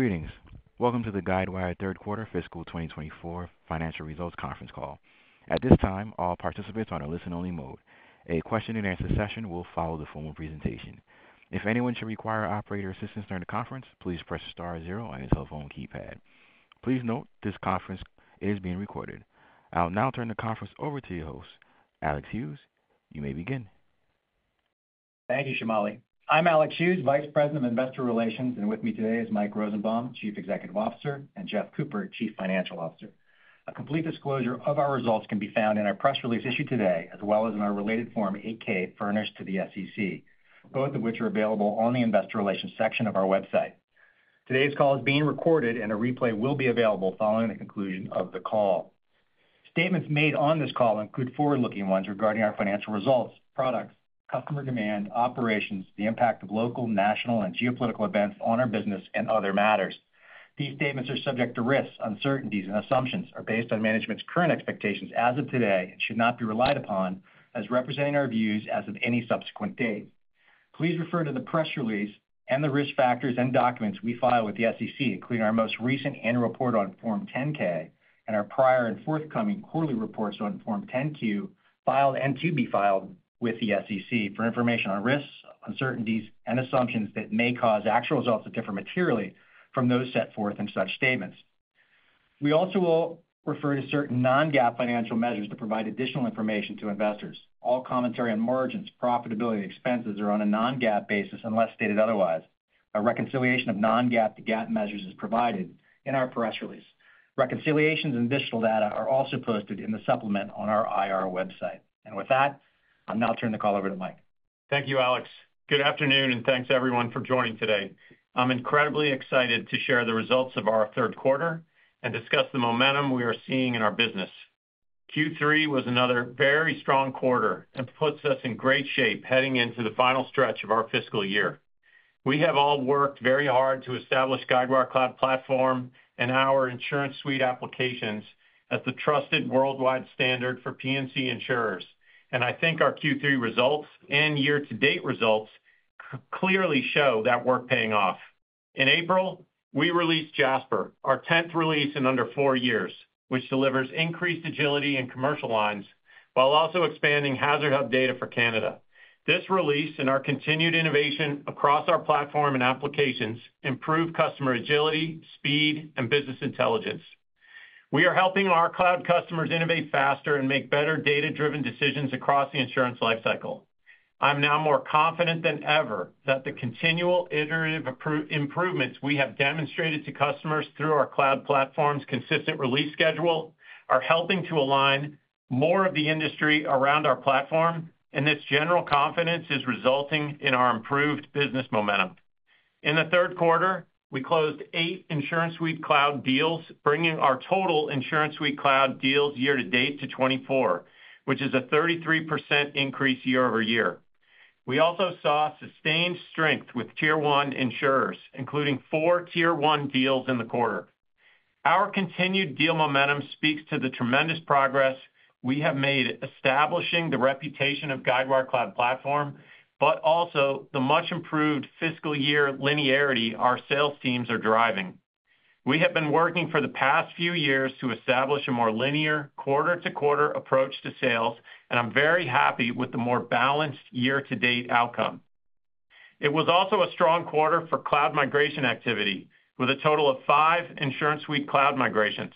Greetings. Welcome to the Guidewire Third Quarter Fiscal 2024 Financial Results Conference Call. At this time, all participants are in listen-only mode. A Q&A session will follow the formal presentation. If anyone should require operator assistance during the conference, please press star zero on your telephone keypad. Please note this conference is being recorded. I'll now turn the conference over to your host, Alex Hughes. You may begin. Thank you, Shomali. I'm Alex Hughes, Vice President of Investor Relations, and with me today is Mike Rosenbaum, Chief Executive Officer, and Jeff Cooper, Chief Financial Officer. A complete disclosure of our results can be found in our press release issued today, as well as in our related Form 8-K furnished to the SEC, both of which are available on the Investor Relations section of our website. Today's call is being recorded, and a replay will be available following the conclusion of the call. Statements made on this call include forward-looking ones regarding our financial results, products, customer demand, operations, the impact of local, national, and geopolitical events on our business, and other matters. These statements are subject to risks, uncertainties, and assumptions, are based on management's current expectations as of today, and should not be relied upon as representing our views as of any subsequent date. Please refer to the press release and the risk factors and documents we file with the SEC, including our most recent annual report on Form 10-K and our prior and forthcoming quarterly reports on Form 10-Q filed and to be filed with the SEC for information on risks, uncertainties, and assumptions that may cause actual results to differ materially from those set forth in such statements. We also will refer to certain non-GAAP financial measures to provide additional information to investors. All commentary on margins, profitability, and expenses are on a non-GAAP basis unless stated otherwise. A reconciliation of non-GAAP to GAAP measures is provided in our press release. Reconciliations and additional data are also posted in the supplement on our IR website. With that, I'll now turn the call over to Mike. Thank you, Alex. Good afternoon, and thanks everyone for joining today. I'm incredibly excited to share the results of our third quarter and discuss the momentum we are seeing in our business. Q3 was another very strong quarter and puts us in great shape heading into the final stretch of our fiscal year. We have all worked very hard to establish Guidewire Cloud Platform and our InsuranceSuite applications as the trusted worldwide standard for P&C insurers, and I think our Q3 results and year-to-date results clearly show that work paying off. In April, we released Jasper, our 10th release in under four years, which delivers increased agility in commercial lines while also expanding HazardHub data for Canada. This release and our continued innovation across our platform and applications improve customer agility, speed, and business intelligence. We are helping our cloud customers innovate faster and make better data-driven decisions across the insurance lifecycle. I'm now more confident than ever that the continual iterative improvements we have demonstrated to customers through our cloud platform's consistent release schedule are helping to align more of the industry around our platform, and this general confidence is resulting in our improved business momentum. In the third quarter, we closed 8 InsuranceSuite cloud deals, bringing our total InsuranceSuite cloud deals year-to-date to 24, which is a 33% increase year-over-year. We also saw sustained strength with Tier 1 insurers, including 4 Tier 1 deals in the quarter. Our continued deal momentum speaks to the tremendous progress we have made establishing the reputation of Guidewire Cloud Platform, but also the much-improved fiscal year linearity our sales teams are driving. We have been working for the past few years to establish a more linear, quarter-to-quarter approach to sales, and I'm very happy with the more balanced year-to-date outcome. It was also a strong quarter for cloud migration activity, with a total of 5 InsuranceSuite cloud migrations.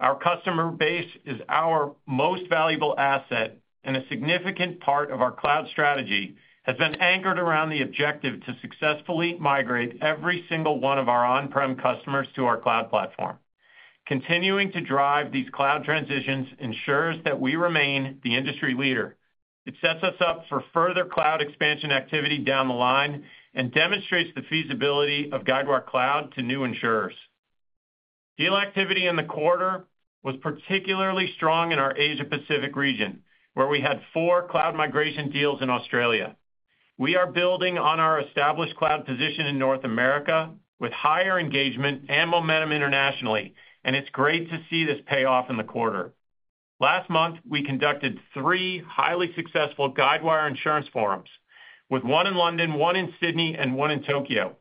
Our customer base is our most valuable asset, and a significant part of our cloud strategy has been anchored around the objective to successfully migrate every single one of our on-prem customers to our cloud platform. Continuing to drive these cloud transitions ensures that we remain the industry leader. It sets us up for further cloud expansion activity down the line and demonstrates the feasibility of Guidewire Cloud to new insurers. Deal activity in the quarter was particularly strong in our Asia-Pacific region, where we had 4 cloud migration deals in Australia. We are building on our established cloud position in North America with higher engagement and momentum internationally, and it's great to see this pay off in the quarter. Last month, we conducted three highly successful Guidewire Insurance Forums, with one in London, one in Sydney, and one in Tokyo.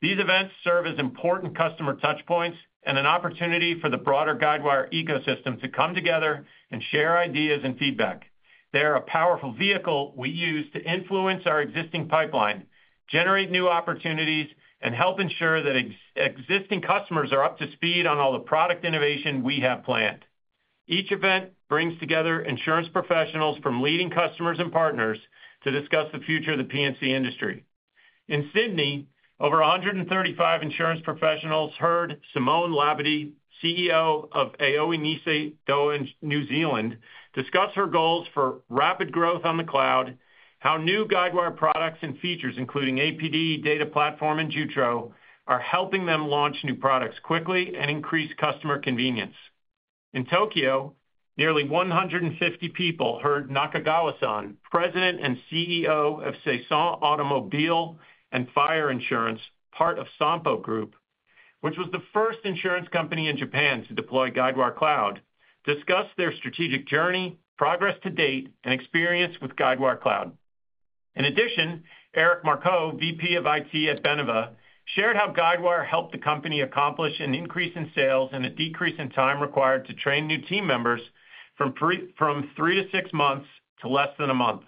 These events serve as important customer touchpoints and an opportunity for the broader Guidewire ecosystem to come together and share ideas and feedback. They are a powerful vehicle we use to influence our existing pipeline, generate new opportunities, and help ensure that existing customers are up to speed on all the product innovation we have planned. Each event brings together insurance professionals from leading customers and partners to discuss the future of the P&C industry. In Sydney, over 135 insurance professionals heard Simone Labady, CEO of Aioi Nissay Dowa in New Zealand, discuss her goals for rapid growth on the cloud, how new Guidewire products and features, including APD, Data Platform, and Jutro, are helping them launch new products quickly and increase customer convenience. In Tokyo, nearly 150 people heard Nakagawa-san, President and CEO of Saison Automobile and Fire Insurance, part of Sompo Group, which was the first insurance company in Japan to deploy Guidewire Cloud, discuss their strategic journey, progress to date, and experience with Guidewire Cloud. In addition, Eric Marcoux, VP of IT at Beneva, shared how Guidewire helped the company accomplish an increase in sales and a decrease in time required to train new team members from 3-6 months to less than a month.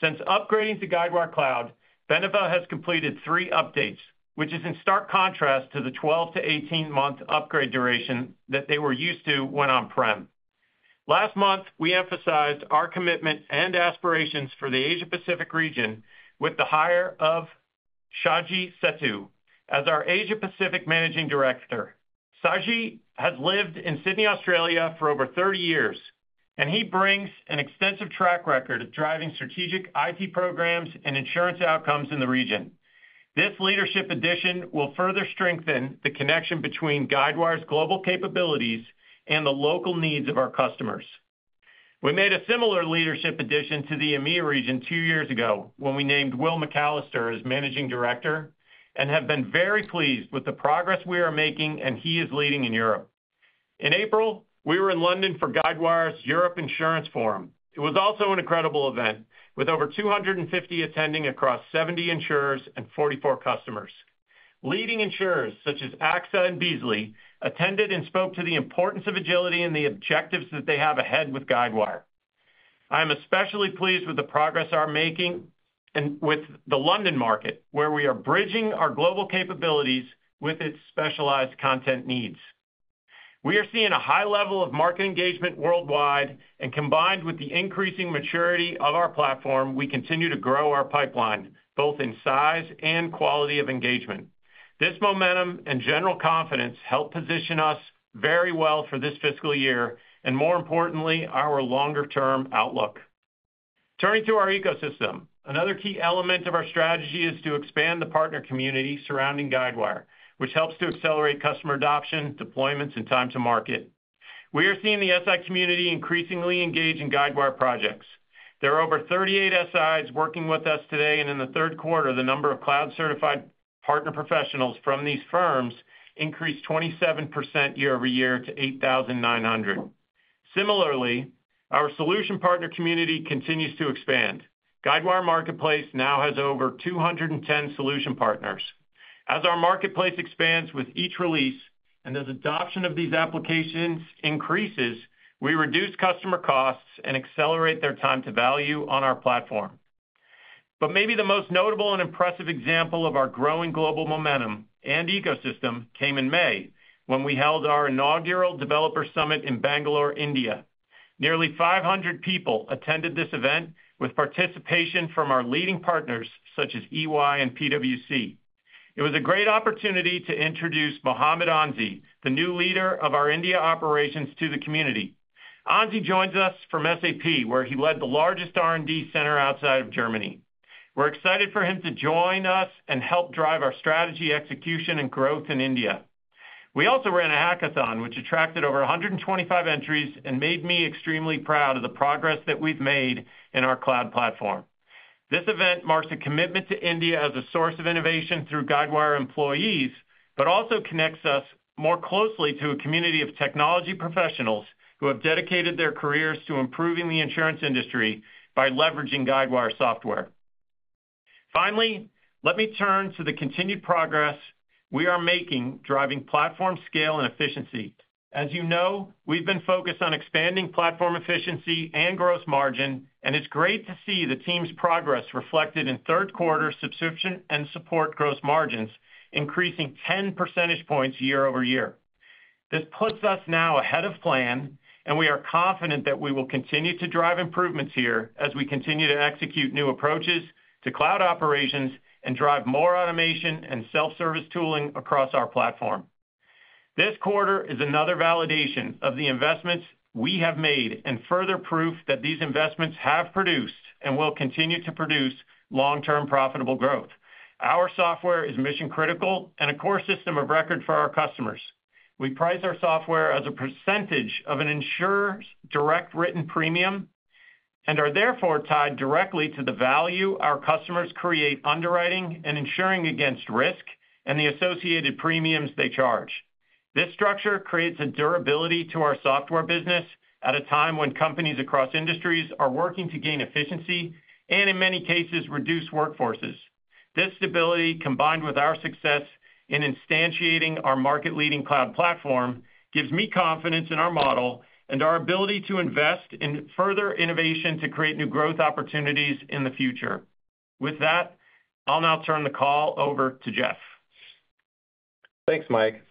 Since upgrading to Guidewire Cloud, Beneva has completed three updates, which is in stark contrast to the 12- to 18-month upgrade duration that they were used to when on-prem. Last month, we emphasized our commitment and aspirations for the Asia-Pacific region with the hire of Shaji Sethu as our Asia-Pacific Managing Director. Shaji has lived in Sydney, Australia, for over 30 years, and he brings an extensive track record of driving strategic IT programs and insurance outcomes in the region. This leadership addition will further strengthen the connection between Guidewire's global capabilities and the local needs of our customers. We made a similar leadership addition to the EMEA region two years ago when we named Will McAllister as Managing Director and have been very pleased with the progress we are making, and he is leading in Europe. In April, we were in London for Guidewire's Europe Insurance Forum. It was also an incredible event with over 250 attending across 70 insurers and 44 customers. Leading insurers such as AXA and Beazley attended and spoke to the importance of agility and the objectives that they have ahead with Guidewire. I am especially pleased with the progress we are making with the London market, where we are bridging our global capabilities with its specialized content needs. We are seeing a high level of market engagement worldwide, and combined with the increasing maturity of our platform, we continue to grow our pipeline, both in size and quality of engagement. This momentum and general confidence help position us very well for this fiscal year and, more importantly, our longer-term outlook. Turning to our ecosystem, another key element of our strategy is to expand the partner community surrounding Guidewire, which helps to accelerate customer adoption, deployments, and time to market. We are seeing the SI community increasingly engage in Guidewire projects. There are over 38 SIs working with us today, and in the third quarter, the number of cloud-certified partner professionals from these firms increased 27% year-over-year to 8,900. Similarly, our solution partner community continues to expand. Guidewire Marketplace now has over 210 solution partners. As our marketplace expands with each release and as adoption of these applications increases, we reduce customer costs and accelerate their time to value on our platform. But maybe the most notable and impressive example of our growing global momentum and ecosystem came in May when we held our inaugural Developer Summit in Bangalore, India. Nearly 500 people attended this event with participation from our leading partners such as EY and PwC. It was a great opportunity to introduce Mohamed Anzy, the new leader of our India operations, to the community. Anzy joins us from SAP, where he led the largest R&D center outside of Germany. We're excited for him to join us and help drive our strategy, execution, and growth in India. We also ran a hackathon, which attracted over 125 entries and made me extremely proud of the progress that we've made in our cloud platform. This event marks a commitment to India as a source of innovation through Guidewire employees, but also connects us more closely to a community of technology professionals who have dedicated their careers to improving the insurance industry by leveraging Guidewire software. Finally, let me turn to the continued progress we are making driving platform scale and efficiency. As you know, we've been focused on expanding platform efficiency and gross margin, and it's great to see the team's progress reflected in third-quarter subscription and support gross margins increasing 10 percentage points year-over-year. This puts us now ahead of plan, and we are confident that we will continue to drive improvements here as we continue to execute new approaches to cloud operations and drive more automation and self-service tooling across our platform. This quarter is another validation of the investments we have made and further proof that these investments have produced and will continue to produce long-term profitable growth. Our software is mission-critical and a core system of record for our customers. We price our software as a percentage of an insurer's direct written premium and are therefore tied directly to the value our customers create underwriting and insuring against risk and the associated premiums they charge. This structure creates a durability to our software business at a time when companies across industries are working to gain efficiency and, in many cases, reduce workforces. This stability, combined with our success in instantiating our market-leading cloud platform, gives me confidence in our model and our ability to invest in further innovation to create new growth opportunities in the future. With that, I'll now turn the call over to Jeff. Thanks, Mike.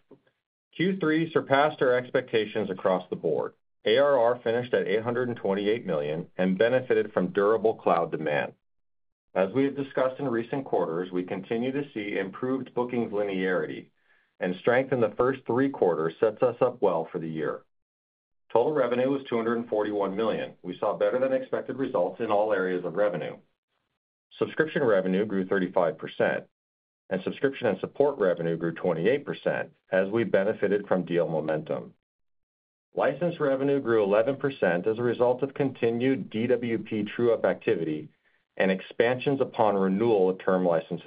Q3 surpassed our expectations across the board. ARR finished at $828 million and benefited from durable cloud demand. As we have discussed in recent quarters, we continue to see improved bookings linearity, and strength in the first three quarters sets us up well for the year. Total revenue was $241 million. We saw better-than-expected results in all areas of revenue. Subscription revenue grew 35%, and subscription and support revenue grew 28% as we benefited from deal momentum. License revenue grew 11% as a result of continued DWP true-up activity and expansions upon renewal of term license,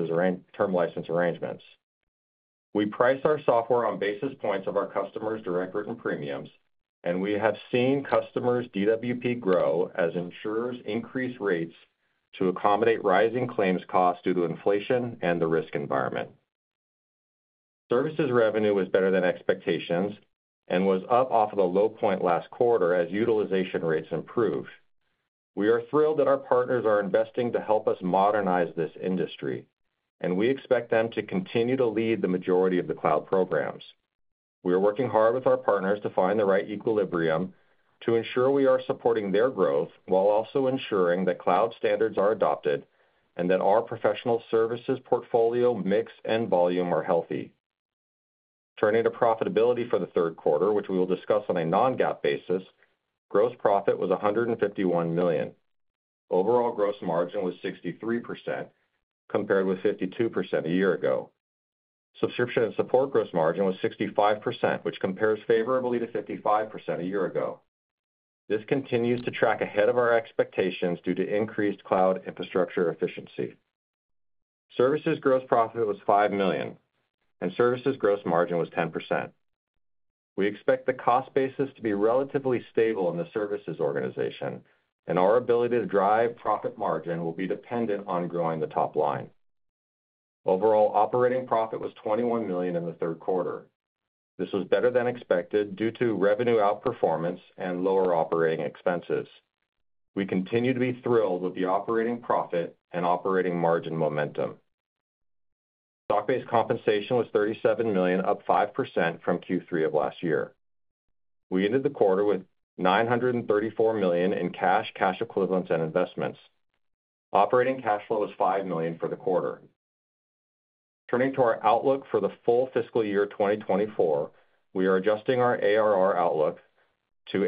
term license arrangements. We price our software on basis points of our customers' direct written premiums, and we have seen customers' DWP grow as insurers increase rates to accommodate rising claims costs due to inflation and the risk environment. Services revenue was better than expectations and was up off of a low point last quarter as utilization rates improved. We are thrilled that our partners are investing to help us modernize this industry, and we expect them to continue to lead the majority of the cloud programs. We are working hard with our partners to find the right equilibrium to ensure we are supporting their growth while also ensuring that cloud standards are adopted and that our professional services portfolio mix and volume are healthy. Turning to profitability for the third quarter, which we will discuss on a Non-GAAP basis, gross profit was $151 million. Overall gross margin was 63%, compared with 52% a year ago. Subscription and support gross margin was 65%, which compares favorably to 55% a year ago. This continues to track ahead of our expectations due to increased cloud infrastructure efficiency. Services gross profit was $5 million, and services gross margin was 10%. We expect the cost basis to be relatively stable in the services organization, and our ability to drive profit margin will be dependent on growing the top line. Overall operating profit was $21 million in the third quarter. This was better than expected due to revenue outperformance and lower operating expenses. We continue to be thrilled with the operating profit and operating margin momentum. Stock-based compensation was $37 million, up 5% from Q3 of last year. We ended the quarter with $934 million in cash, cash equivalents, and investments. Operating cash flow was $5 million for the quarter. Turning to our outlook for the full fiscal year 2024, we are adjusting our ARR outlook to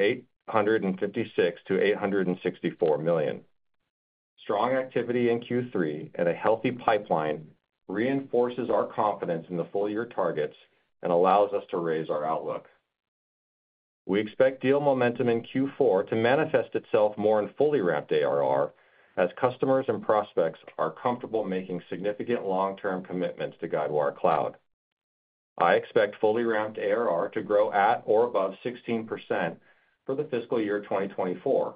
$856 million-$864 million. Strong activity in Q3 and a healthy pipeline reinforces our confidence in the full-year targets and allows us to raise our outlook. We expect deal momentum in Q4 to manifest itself more in fully-ramped ARR as customers and prospects are comfortable making significant long-term commitments to Guidewire Cloud. I expect fully-ramped ARR to grow at or above 16% for the fiscal year 2024,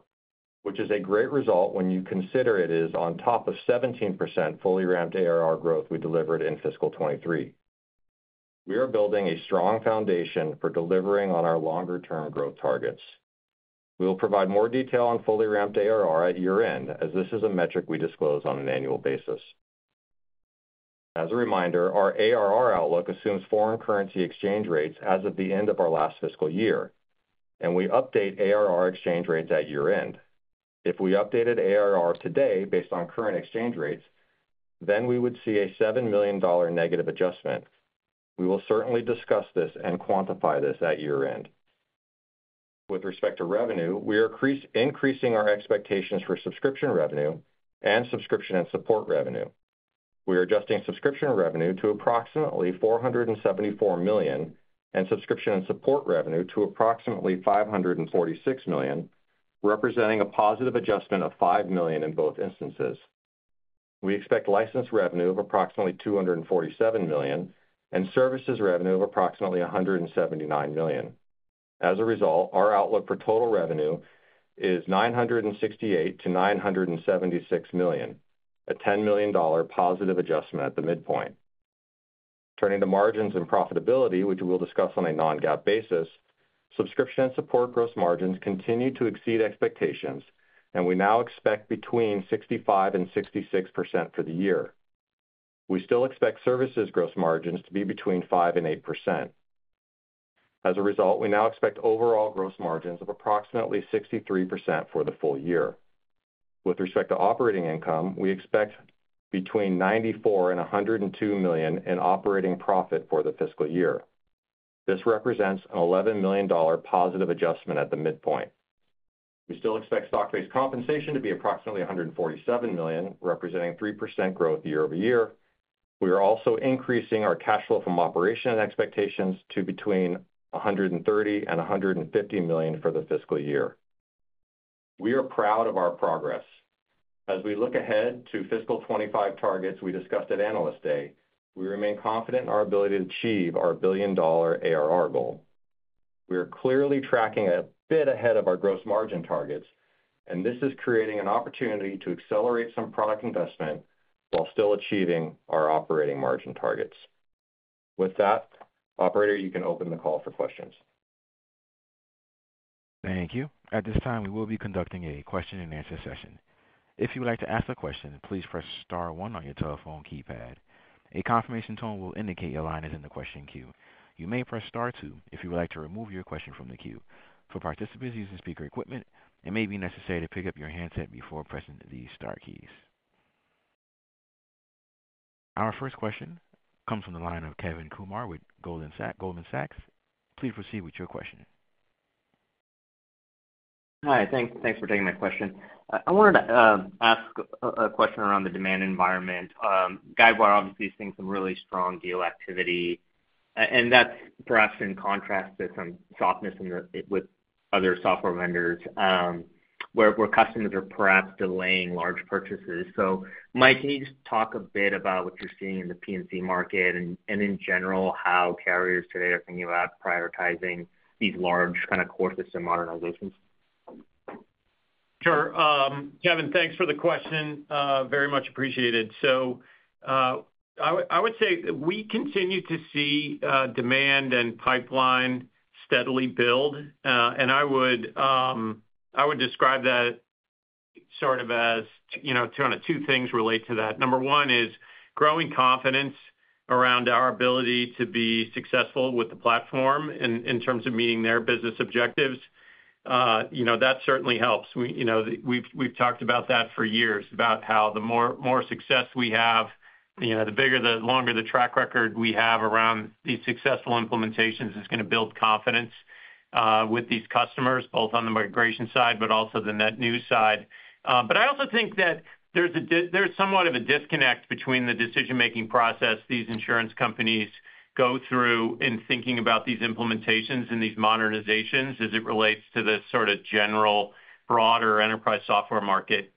which is a great result when you consider it is on top of 17% fully-ramped ARR growth we delivered in fiscal 2023. We are building a strong foundation for delivering on our longer-term growth targets. We will provide more detail on fully-ramped ARR at year-end, as this is a metric we disclose on an annual basis. As a reminder, our ARR outlook assumes foreign currency exchange rates as of the end of our last fiscal year, and we update ARR exchange rates at year-end. If we updated ARR today based on current exchange rates, then we would see a $7 million negative adjustment. We will certainly discuss this and quantify this at year-end. With respect to revenue, we are increasing our expectations for subscription revenue and subscription and support revenue. We are adjusting subscription revenue to approximately $474 million and subscription and support revenue to approximately $546 million, representing a positive adjustment of $5 million in both instances. We expect license revenue of approximately $247 million and services revenue of approximately $179 million. As a result, our outlook for total revenue is $968 million-$976 million, a $10 million positive adjustment at the midpoint. Turning to margins and profitability, which we will discuss on a non-GAAP basis, subscription and support gross margins continue to exceed expectations, and we now expect between 65%-66% for the year. We still expect services gross margins to be between 5%-8%. As a result, we now expect overall gross margins of approximately 63% for the full year. With respect to operating income, we expect between $94 million-$102 million in operating profit for the fiscal year. This represents an $11 million positive adjustment at the midpoint. We still expect stock-based compensation to be approximately $147 million, representing 3% growth year-over-year. We are also increasing our cash flow from operation and expectations to between $130 million-$150 million for the fiscal year. We are proud of our progress. As we look ahead to fiscal 2025 targets we discussed at Analyst Day, we remain confident in our ability to achieve our billion-dollar ARR goal. We are clearly tracking a bit ahead of our gross margin targets, and this is creating an opportunity to accelerate some product investment while still achieving our operating margin targets. With that, Operator, you can open the call for questions. Thank you. At this time, we will be conducting a Q&A session. If you would like to ask a question, please press Star one on your telephone keypad. A confirmation tone will indicate your line is in the question queue. You may press Star two if you would like to remove your question from the queue. For participants using speaker equipment, it may be necessary to pick up your handset before pressing the Star keys. Our first question comes from the line of Kevin Kumar with Goldman Sachs. Please proceed with your question. Hi. Thanks for taking my question. I wanted to ask a question around the demand environment. Guidewire obviously is seeing some really strong deal activity, and that's perhaps in contrast to some softness with other software vendors where customers are perhaps delaying large purchases. So, Mike, can you just talk a bit about what you're seeing in the P&C market and, in general, how carriers today are thinking about prioritizing these large kind of core system modernizations? Sure. Kevin, thanks for the question. Very much appreciated. So I would say we continue to see demand and pipeline steadily build, and I would, I would describe that sort of as kind of two things relate to that. Number one is growing confidence around our ability to be successful with the platform in terms of meeting their business objectives. You know, that certainly helps. We've talked about that for years, about how the more success we have, the bigger, the longer the track record we have around these successful implementations is going to build confidence with these customers, both on the migration side but also the net new side. But I also think that there's somewhat of a disconnect between the decision-making process these insurance companies go through in thinking about these implementations and these modernizations as it relates to the sort of general, broader enterprise software market.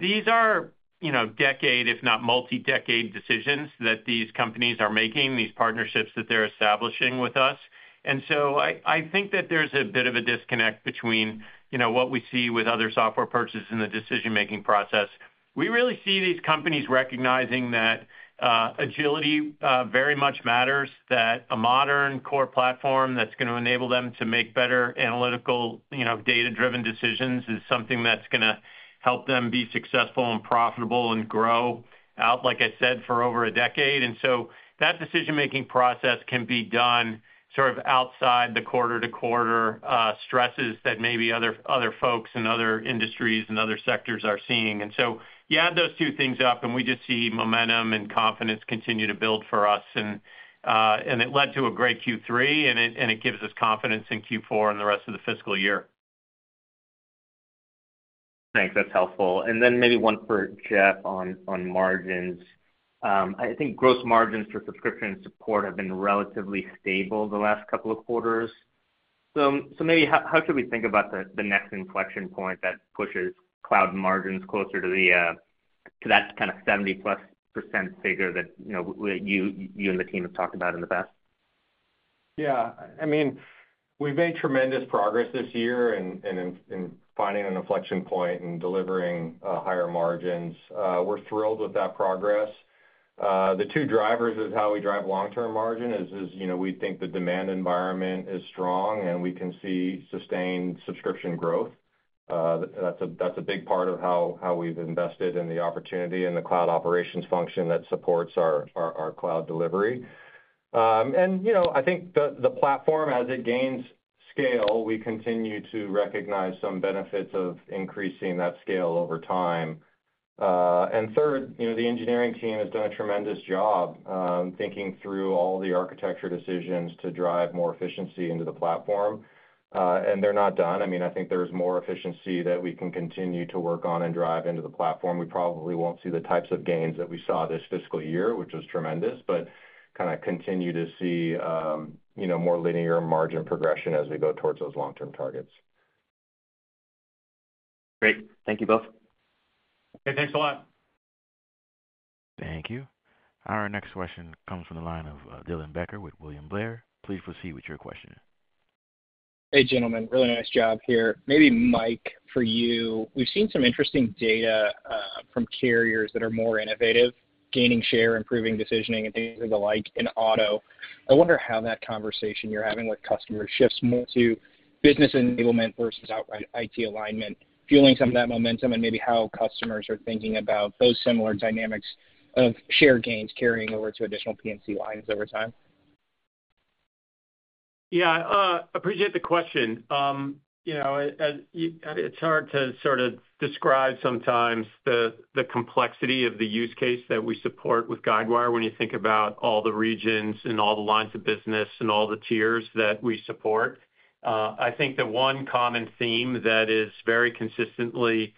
These are, you know, decade, if not multi-decade, decisions that these companies are making, these partnerships that they're establishing with us. And so I think that there's a bit of a disconnect between what we see with other software purchases in the decision-making process. We really see these companies recognizing that agility very much matters, that a modern core platform that's going to enable them to make better analytical data-driven decisions is something that's going to help them be successful and profitable and grow out, like I said, for over a decade. And so that decision-making process can be done sort of outside the quarter-to-quarter stresses that maybe other folks and other industries and other sectors are seeing. And so you add those two things up, and we just see momentum and confidence continue to build for us. It led to a great Q3, and it gives us confidence in Q4 and the rest of the fiscal year. Thanks. That's helpful. And then maybe one for Jeff on margins. I think gross margins for subscription and support have been relatively stable the last couple of quarters. So maybe how should we think about the next inflection point that pushes cloud margins closer to that kind of 70%+ figure that you and the team have talked about in the past? Yeah. I mean, we've made tremendous progress this year in finding an inflection point and delivering higher margins. We're thrilled with that progress. The two drivers of how we drive long-term margin is we think the demand environment is strong, and we can see sustained subscription growth. That's a big part of how we've invested in the opportunity and the cloud operations function that supports our cloud delivery. And you know, I think the platform, as it gains scale, we continue to recognize some benefits of increasing that scale over time. And third, the engineering team has done a tremendous job thinking through all the architecture decisions to drive more efficiency into the platform, and they're not done. I mean, I think there's more efficiency that we can continue to work on and drive into the platform. We probably won't see the types of gains that we saw this fiscal year, which was tremendous, but kind of continue to see, you know, more linear margin progression as we go towards those long-term targets. Great. Thank you both. Hey, thanks a lot. Thank you. Our next question comes from the line of Dylan Becker with William Blair. Please proceed with your question. Hey, gentlemen. Really nice job here. Maybe Mike, for you, we've seen some interesting data from carriers that are more innovative, gaining share, improving decisioning, and things of the like in auto. I wonder how that conversation you're having with customers shifts more to business enablement versus outright IT alignment, fueling some of that momentum and maybe how customers are thinking about those similar dynamics of share gains carrying over to additional P&C lines over time. Yeah. I appreciate the question. It's hard to sort of describe sometimes the complexity of the use case that we support with Guidewire when you think about all the regions and all the lines of business and all the tiers that we support. I think the one common theme that is very consistently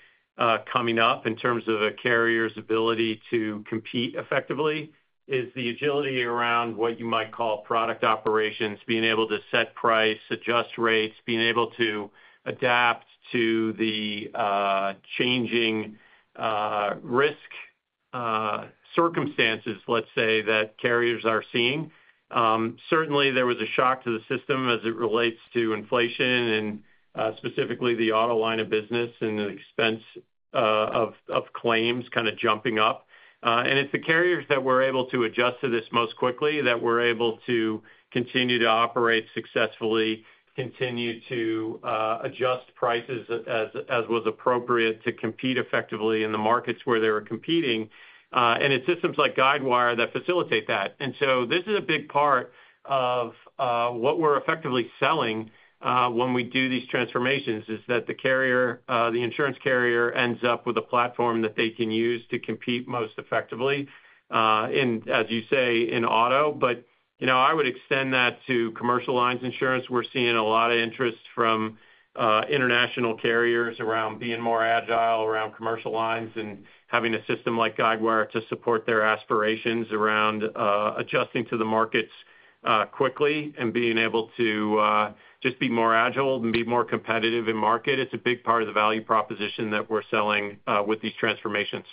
coming up in terms of a carrier's ability to compete effectively is the agility around what you might call product operations, being able to set price, adjust rates, being able to adapt to the changing risk circumstances, let's say, that carriers are seeing. Certainly, there was a shock to the system as it relates to inflation and specifically the auto line of business and the expense of claims kind of jumping up. It's the carriers that were able to adjust to this most quickly, that were able to continue to operate successfully, continue to adjust prices as as was appropriate to compete effectively in the markets where they were competing, and it's systems like Guidewire that facilitate that. And so this is a big part of what we're effectively selling when we do these transformations is that the insurance carrier ends up with a platform that they can use to compete most effectively, as you say, in auto. But I would extend that to commercial lines insurance. We're seeing a lot of interest from international carriers around being more agile around commercial lines and having a system like Guidewire to support their aspirations around adjusting to the markets quickly and being able to just be more agile and be more competitive in market. It's a big part of the value proposition that we're selling with these transformations.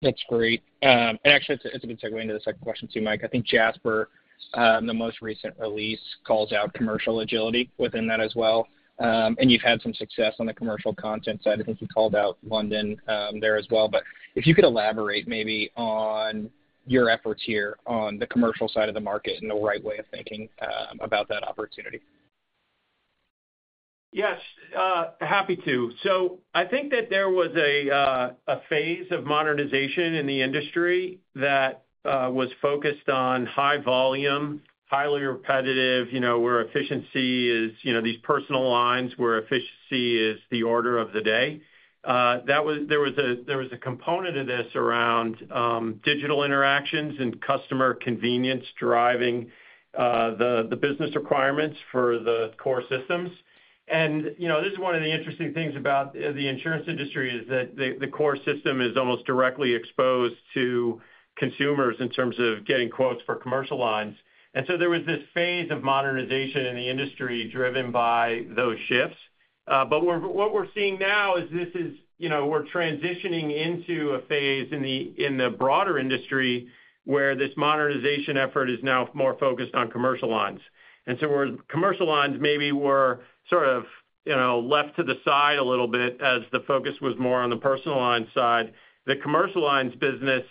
That's great. And actually, it's a good segue into the second question too, Mike. I think Jasper, the most recent release, calls out commercial agility within that as well. And you've had some success on the commercial content side. I think you called out London there as well. But if you could elaborate maybe on your efforts here on the commercial side of the market and the right way of thinking about that opportunity. Yes. Happy to. So I think that there was a phase of modernization in the industry that was focused on high volume, highly repetitive, where efficiency is these personal lines where efficiency is the order of the day. There was a component of this around digital interactions and customer convenience driving the business requirements for the core systems. And you know, this is one of the interesting things about the insurance industry is that the core system is almost directly exposed to consumers in terms of getting quotes for commercial lines. And so there was this phase of modernization in the industry driven by those shifts. But what we're seeing now is this is we're transitioning into a phase in the broader industry where this modernization effort is now more focused on commercial lines. And so where commercial lines maybe were sort of left to the side a little bit as the focus was more on the personal line side, the commercial lines business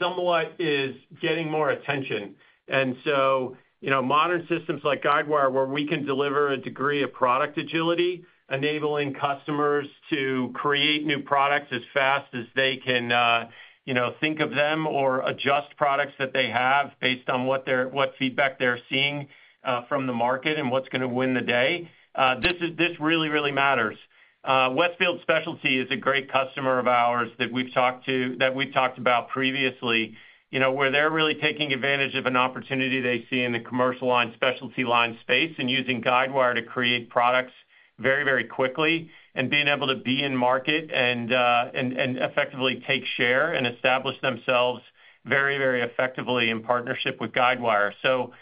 somewhat is getting more attention. And so. modern systems like Guidewire, where we can deliver a degree of product agility, enabling customers to create new products as fast as they can, you know, think of them or adjust products that they have based on what feedback they're seeing from the market and what's going to win the day, this really, really matters. Westfield Specialty is a great customer of ours that we've talked about previously, you know, where they're really taking advantage of an opportunity they see in the commercial line specialty line space and using Guidewire to create products very, very quickly and being able to be in market and effectively take share and establish themselves very, very effectively in partnership with Guidewire. So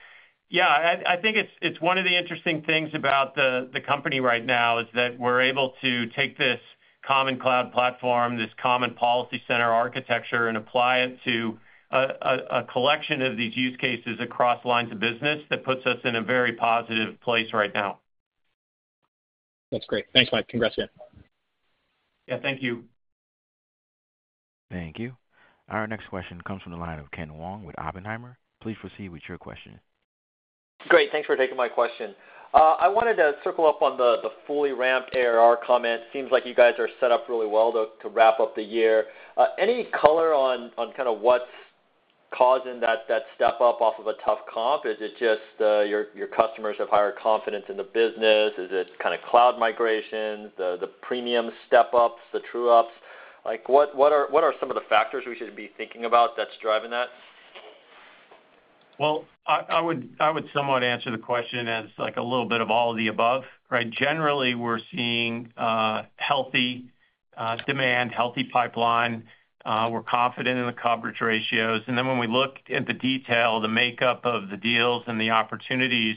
yeah, I think it's one of the interesting things about the company right now is that we're able to take this common cloud platform, this common PolicyCenter architecture, and apply it to a collection of these use cases across lines of business that puts us in a very positive place right now. That's great. Thanks, Mike. Congrats again. Yeah. Thank you. Thank you. Our next question comes from the line of Ken Wong with Oppenheimer. Please proceed with your question. Great. Thanks for taking my question. I wanted to circle up on the fully ramped ARR comment. Seems like you guys are set up really well to wrap up the year. Any color on kind of what's causing that step up off of a tough comp? Is it just your customers have higher confidence in the business? Is it kind of cloud migration, the premium step-ups, the true-ups? What are some of the factors we should be thinking about that's driving that? Well, I would somewhat answer the question as a little bit of all of the above. Generally, we're seeing healthy demand, healthy pipeline. We're confident in the coverage ratios. And then when we look at the detail, the makeup of the deals and the opportunities,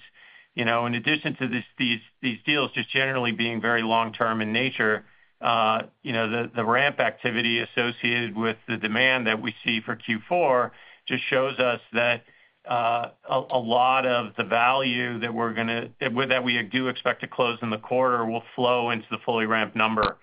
in addition to these deals just generally being very long-term in nature, the ramp activity associated with the demand that we see for Q4 just shows us that a lot of the value that we do expect to close in the quarter will flow into the fully ramped number.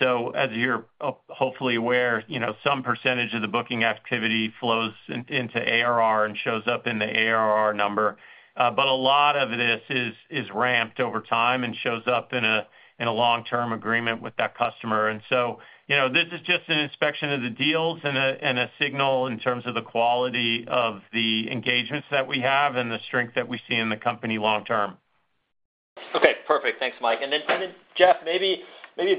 So as you're hopefully aware, some percentage of the booking activity flows into ARR and shows up in the ARR number. But a lot of this is ramped over time and shows up in a long-term agreement with that customer. This is just an inspection of the deals and a signal in terms of the quality of the engagements that we have and the strength that we see in the company long-term. Okay. Perfect. Thanks, Mike. And then Jeff, maybe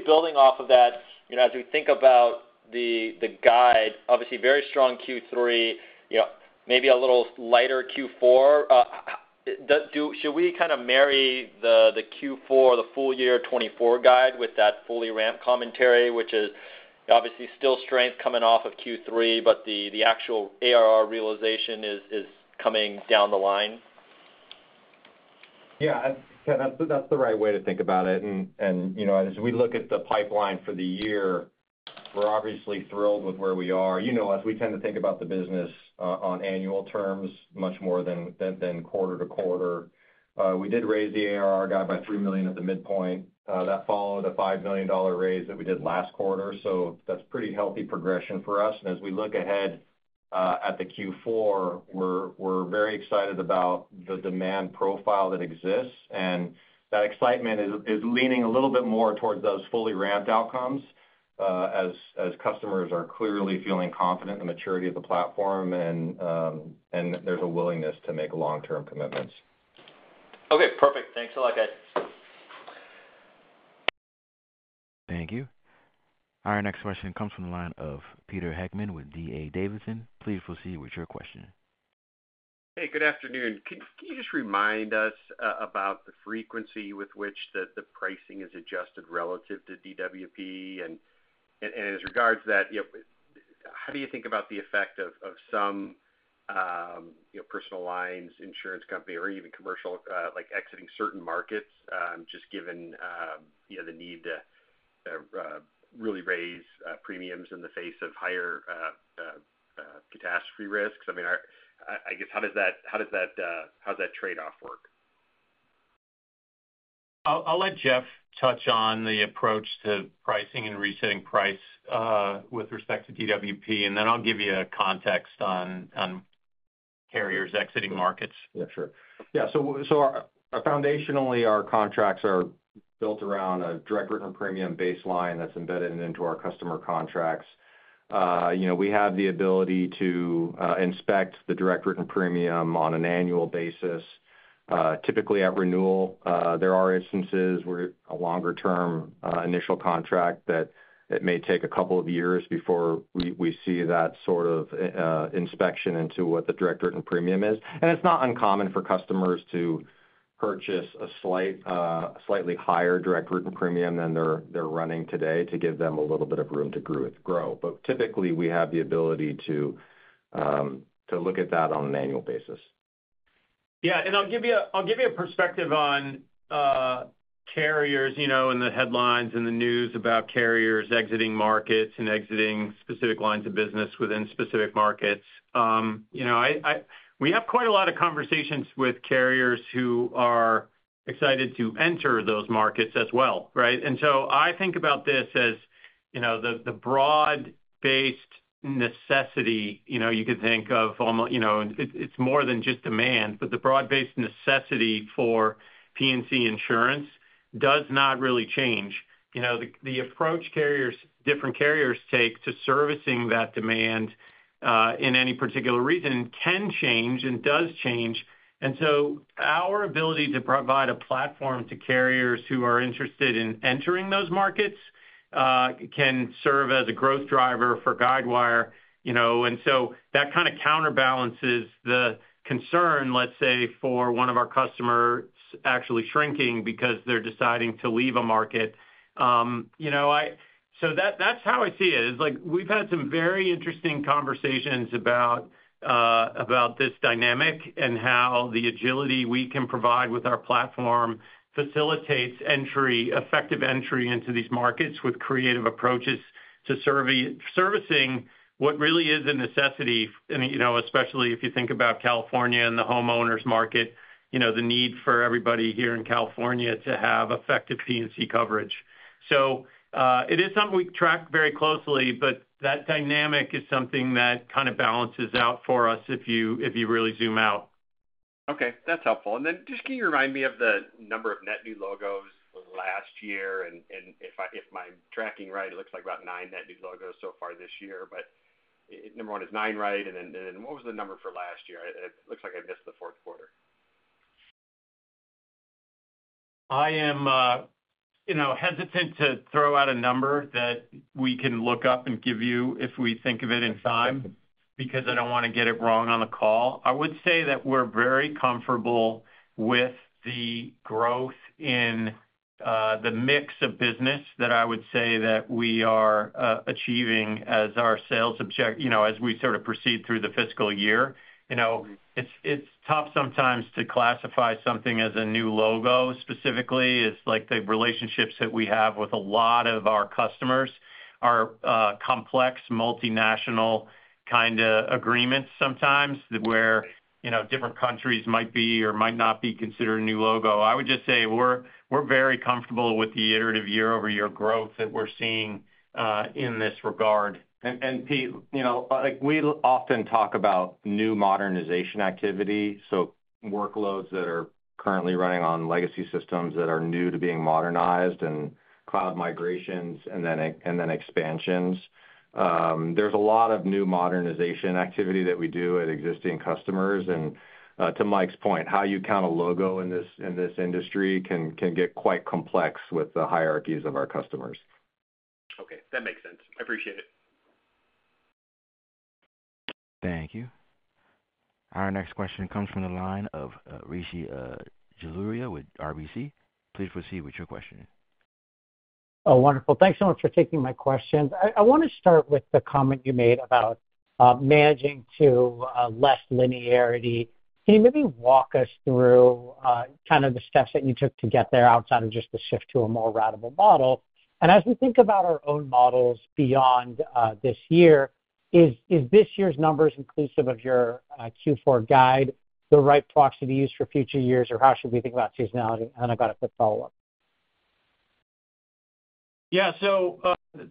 building off of that, as we think about the the guide, obviously very strong Q3, maybe a little lighter Q4. Should we kind of marry the Q4, the full year 2024 guide with that fully ramped commentary, which is obviously still strength coming off of Q3, but the actual ARR realization is coming down the line? Yeah. That's the right way to think about it. And as we look at the pipeline for the year, we're obviously thrilled with where we are. You know, as we tend to think about the business on annual terms, much more than than quarter to quarter, we did raise the ARR guide by $3 million at the midpoint. That followed a $5 million raise that we did last quarter. So that's pretty healthy progression for us. And as we look ahead at the Q4, we're we're very excited about the demand profile that exists. And that excitement is leaning a little bit more towards those fully ramped outcomes as customers are clearly feeling confident in the maturity of the platform and and there's a willingness to make long-term commitments. Okay. Perfect. Thanks a lot, guys. Thank you. Our next question comes from the line of Peter Heckmann with DA Davidson. Please proceed with your question. Hey, good afternoon. Can you just remind us about the frequency with which the pricing is adjusted relative to DWP? And in regards to that, how do you think about the effect of some personal lines, insurance company, or even commercial exiting certain markets just given the need to really raise premiums in the face of higher catastrophe risks? I mean, I guess how does that, how does that trade-off work? I'll let Jeff touch on the approach to pricing and resetting price with respect to DWP, and then I'll give you a context on on carriers exiting markets. Yeah, sure. Yeah. So foundationally, our contracts are built around a direct written premium baseline that's embedded into our customer contracts. We have the ability to inspect the direct written premium on an annual basis, typically at renewal. There are instances where a longer-term initial contract that it may take a couple of years before we see that sort of inspection into what the direct written premium is. And it's not uncommon for customers to purchase a slightly higher direct written premium than they're they're running today to give them a little bit of room to grow. But typically, we have the ability to look at that on an annual basis. Yeah. I'll give you, I'll give you a perspective on carriers in the headlines and the news about carriers exiting markets and exiting specific lines of business within specific markets. We have quite a lot of conversations with carriers who are excited to enter those markets as well, right? And so I think about this as the broad-based necessity you could think of. It's more than just demand, but the broad-based necessity for P&C insurance does not really change. The approach different carriers take to servicing that demand in any particular region can change and does change. And so our ability to provide a platform to carriers who are interested in entering those markets can serve as a growth driver for Guidewire. You know, and so that kind of counterbalances the concern, let's say, for one of our customers actually shrinking because they're deciding to leave a market. So that's that's how I see it. It's like we've had some very interesting conversations about this dynamic and how the agility we can provide with our platform facilitates effective entry into these markets with creative approaches to servicing what really is a necessity, especially if you think about California and the homeowners market, the need for everybody here in California to have effective P&C coverage. So it is something we track very closely, but that dynamic is something that kind of balances out for us if you really zoom out. Okay. That's helpful. And then just can you remind me of the number of net new logos last year? And if I'm tracking right, it looks like about nine net new logos so far this year. But number one is nine, right? And then what was the number for last year? It looks like I missed the fourth quarter. I am, you know, hesitant to throw out a number that we can look up and give you if we think of it in time because I don't want to get it wrong on the call. I would say that we're very comfortable with the growth in the mix of business that I would say that we are achieving as our sales objective as we sort of proceed through the fiscal year. It's tough sometimes to classify something as a new logo specifically. It's like the relationships that we have with a lot of our customers are complex multinational kind of agreements sometimes where different countries might be or might not be considered a new logo. I would just say we're we're very comfortable with the iterative year-over-year growth that we're seeing in this regard. And Pete, we often talk about new modernization activity, so workloads that are currently running on legacy systems that are new to being modernized and cloud migrations and then expansions. There's a lot of new modernization activity that we do at existing customers. To Mike's point, how you count a logo in this industry can get quite complex with the hierarchies of our customers. Okay. That makes sense. I appreciate it. Thank you. Our next question comes from the line of Rishi Jaluria with RBC. Please proceed with your question. Oh, wonderful. Thanks so much for taking my question. I want to start with the comment you made about managing to less linearity. Can you maybe walk us through kind of the steps that you took to get there outside of just the shift to a more radical model? And as we think about our own models beyond this year, is this year's numbers inclusive of your Q4 guide the right proxy to use for future years, or how should we think about seasonality? I got a quick follow-up. Yeah. So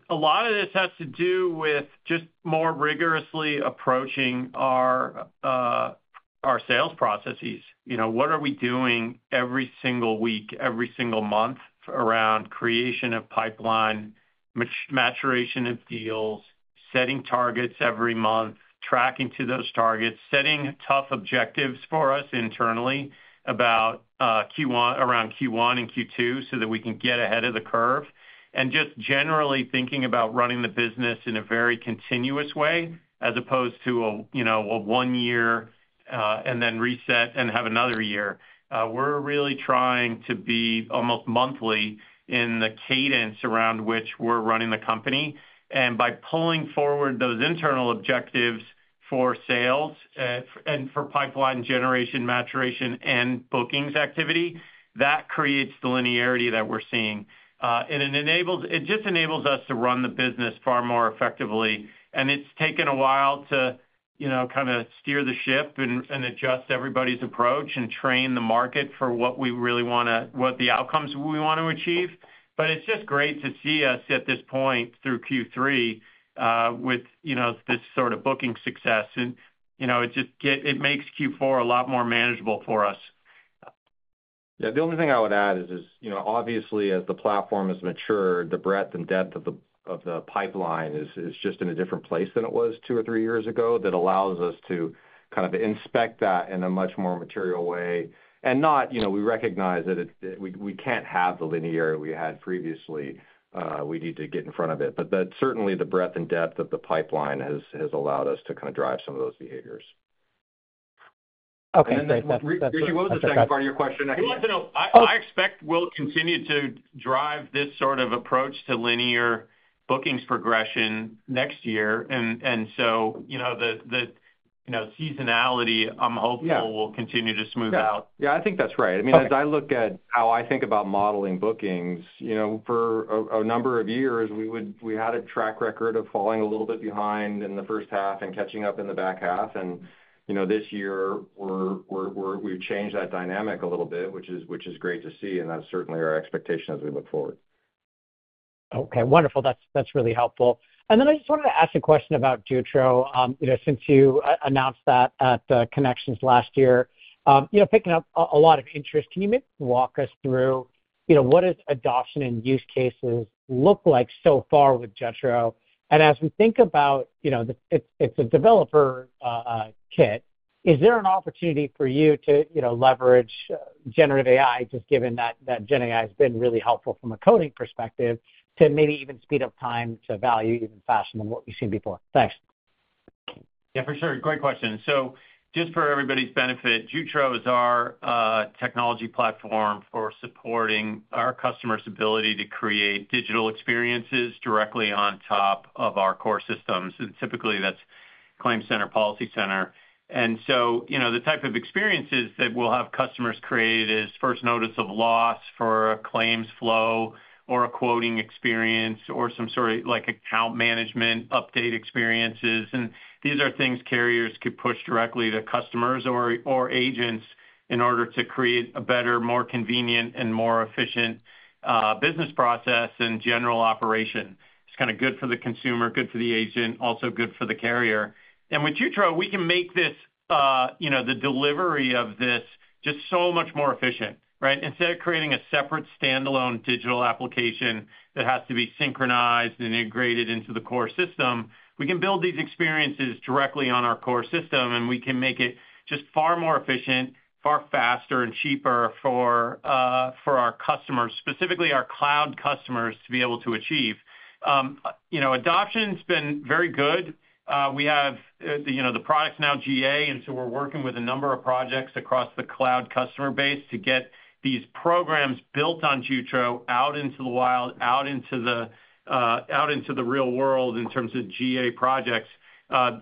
a lot of this has to do with just more rigorously approaching our, our sales processes. What are we doing every single week, every single month around creation of pipeline, maturation of deals, setting targets every month, tracking to those targets, setting tough objectives for us internally about, around Q1 and Q2 so that we can get ahead of the curve, and just generally thinking about running the business in a very continuous way as opposed to a one year and then reset and have another year. We're really trying to be almost monthly in the cadence around which we're running the company. And by pulling forward those internal objectives for sales and for pipeline generation, maturation, and bookings activity, that creates the linearity that we're seeing. And it just enables us to run the business far more effectively. And it's taken a while to kind of steer the ship and adjust everybody's approach and train the market for what we really want to what the outcomes we want to achieve. But it's just great to see us at this point through Q3 with this sort of booking success. It makes Q4 a lot more manageable for us. Yeah. The only thing I would add is, obviously, as the platform has matured, the breadth and depth of the pipeline is just in a different place than it was two or three years ago that allows us to kind of inspect that in a much more material way. And now we recognize that we can't have the linear we had previously. We need to get in front of it. But certainly, the breadth and depth of the pipeline has allowed us to kind of drive some of those behaviors. Okay. Thanks, Matt. Rishi, what was the second part of your question? I expect we'll continue to drive this sort of approach to linear bookings progression next year. And so the seasonality, I'm hopeful, will continue to smooth out. Yeah. I think that's right. I mean, as I look at how I think about modeling bookings, you know, for a number of years, we had a track record of falling a little bit behind in the first half and catching up in the back half. And this year, we've changed that dynamic a little bit, which is great to see. And that's certainly our expectation as we look forward. Okay. Wonderful. That's really helpful. And then I just wanted to ask a question about Jutro since you announced that at the connections last year. Picking up a lot of interest, can you maybe walk us through what does adoption and use cases look like so far with Jutro? And as we think about it's a developer kit, is there an opportunity for you to leverage generative AI, just given that GenAI has been really helpful from a coding perspective, to maybe even speed up time to value even faster than what we've seen before? Thanks. Yeah, for sure. Great question. So just for everybody's benefit, Jutro is our technology platform for supporting our customers' ability to create digital experiences directly on top of our core systems. And typically, that's ClaimCenter, PolicyCenter. And so the type of experiences that we'll have customers create is first notice of loss for a claims flow or a quoting experience or some sort of account management update experiences. And these are things carriers could push directly to customers or or agents in order to create a better, more convenient, and more efficient business process and general operation. It's kind of good for the consumer, good for the agent, also good for the carrier. And with Jutro, we can make the delivery of this just so much more efficient, right? Instead of creating a separate standalone digital application that has to be synchronized and integrated into the core system, we can build these experiences directly on our core system, and we can make it just far more efficient, far faster, and cheaper for, for our customers, specifically our cloud customers, to be able to achieve. Adoption has been very good. We have the products now GA, and so we're working with a number of projects across the cloud customer base to get these programs built on Jutro out into the wild, out into the real world in terms of GA projects.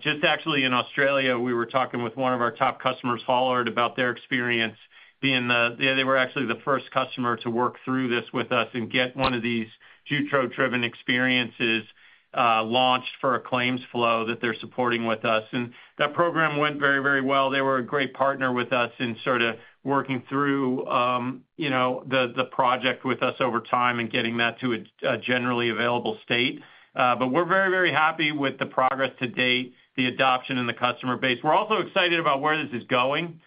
Just actually in Australia, we were talking with one of our top customers, Hollard, about their experience. They were actually the first customer to work through this with us and get one of these Jutro-driven experiences launched for a claims flow that they're supporting with us. And that program went very, very well. They were a great partner with us in sort of working through, you know, the project with us over time and getting that to a generally available state. But we're very, very happy with the progress to date, the adoption, and the customer base. We're also excited about where this is going.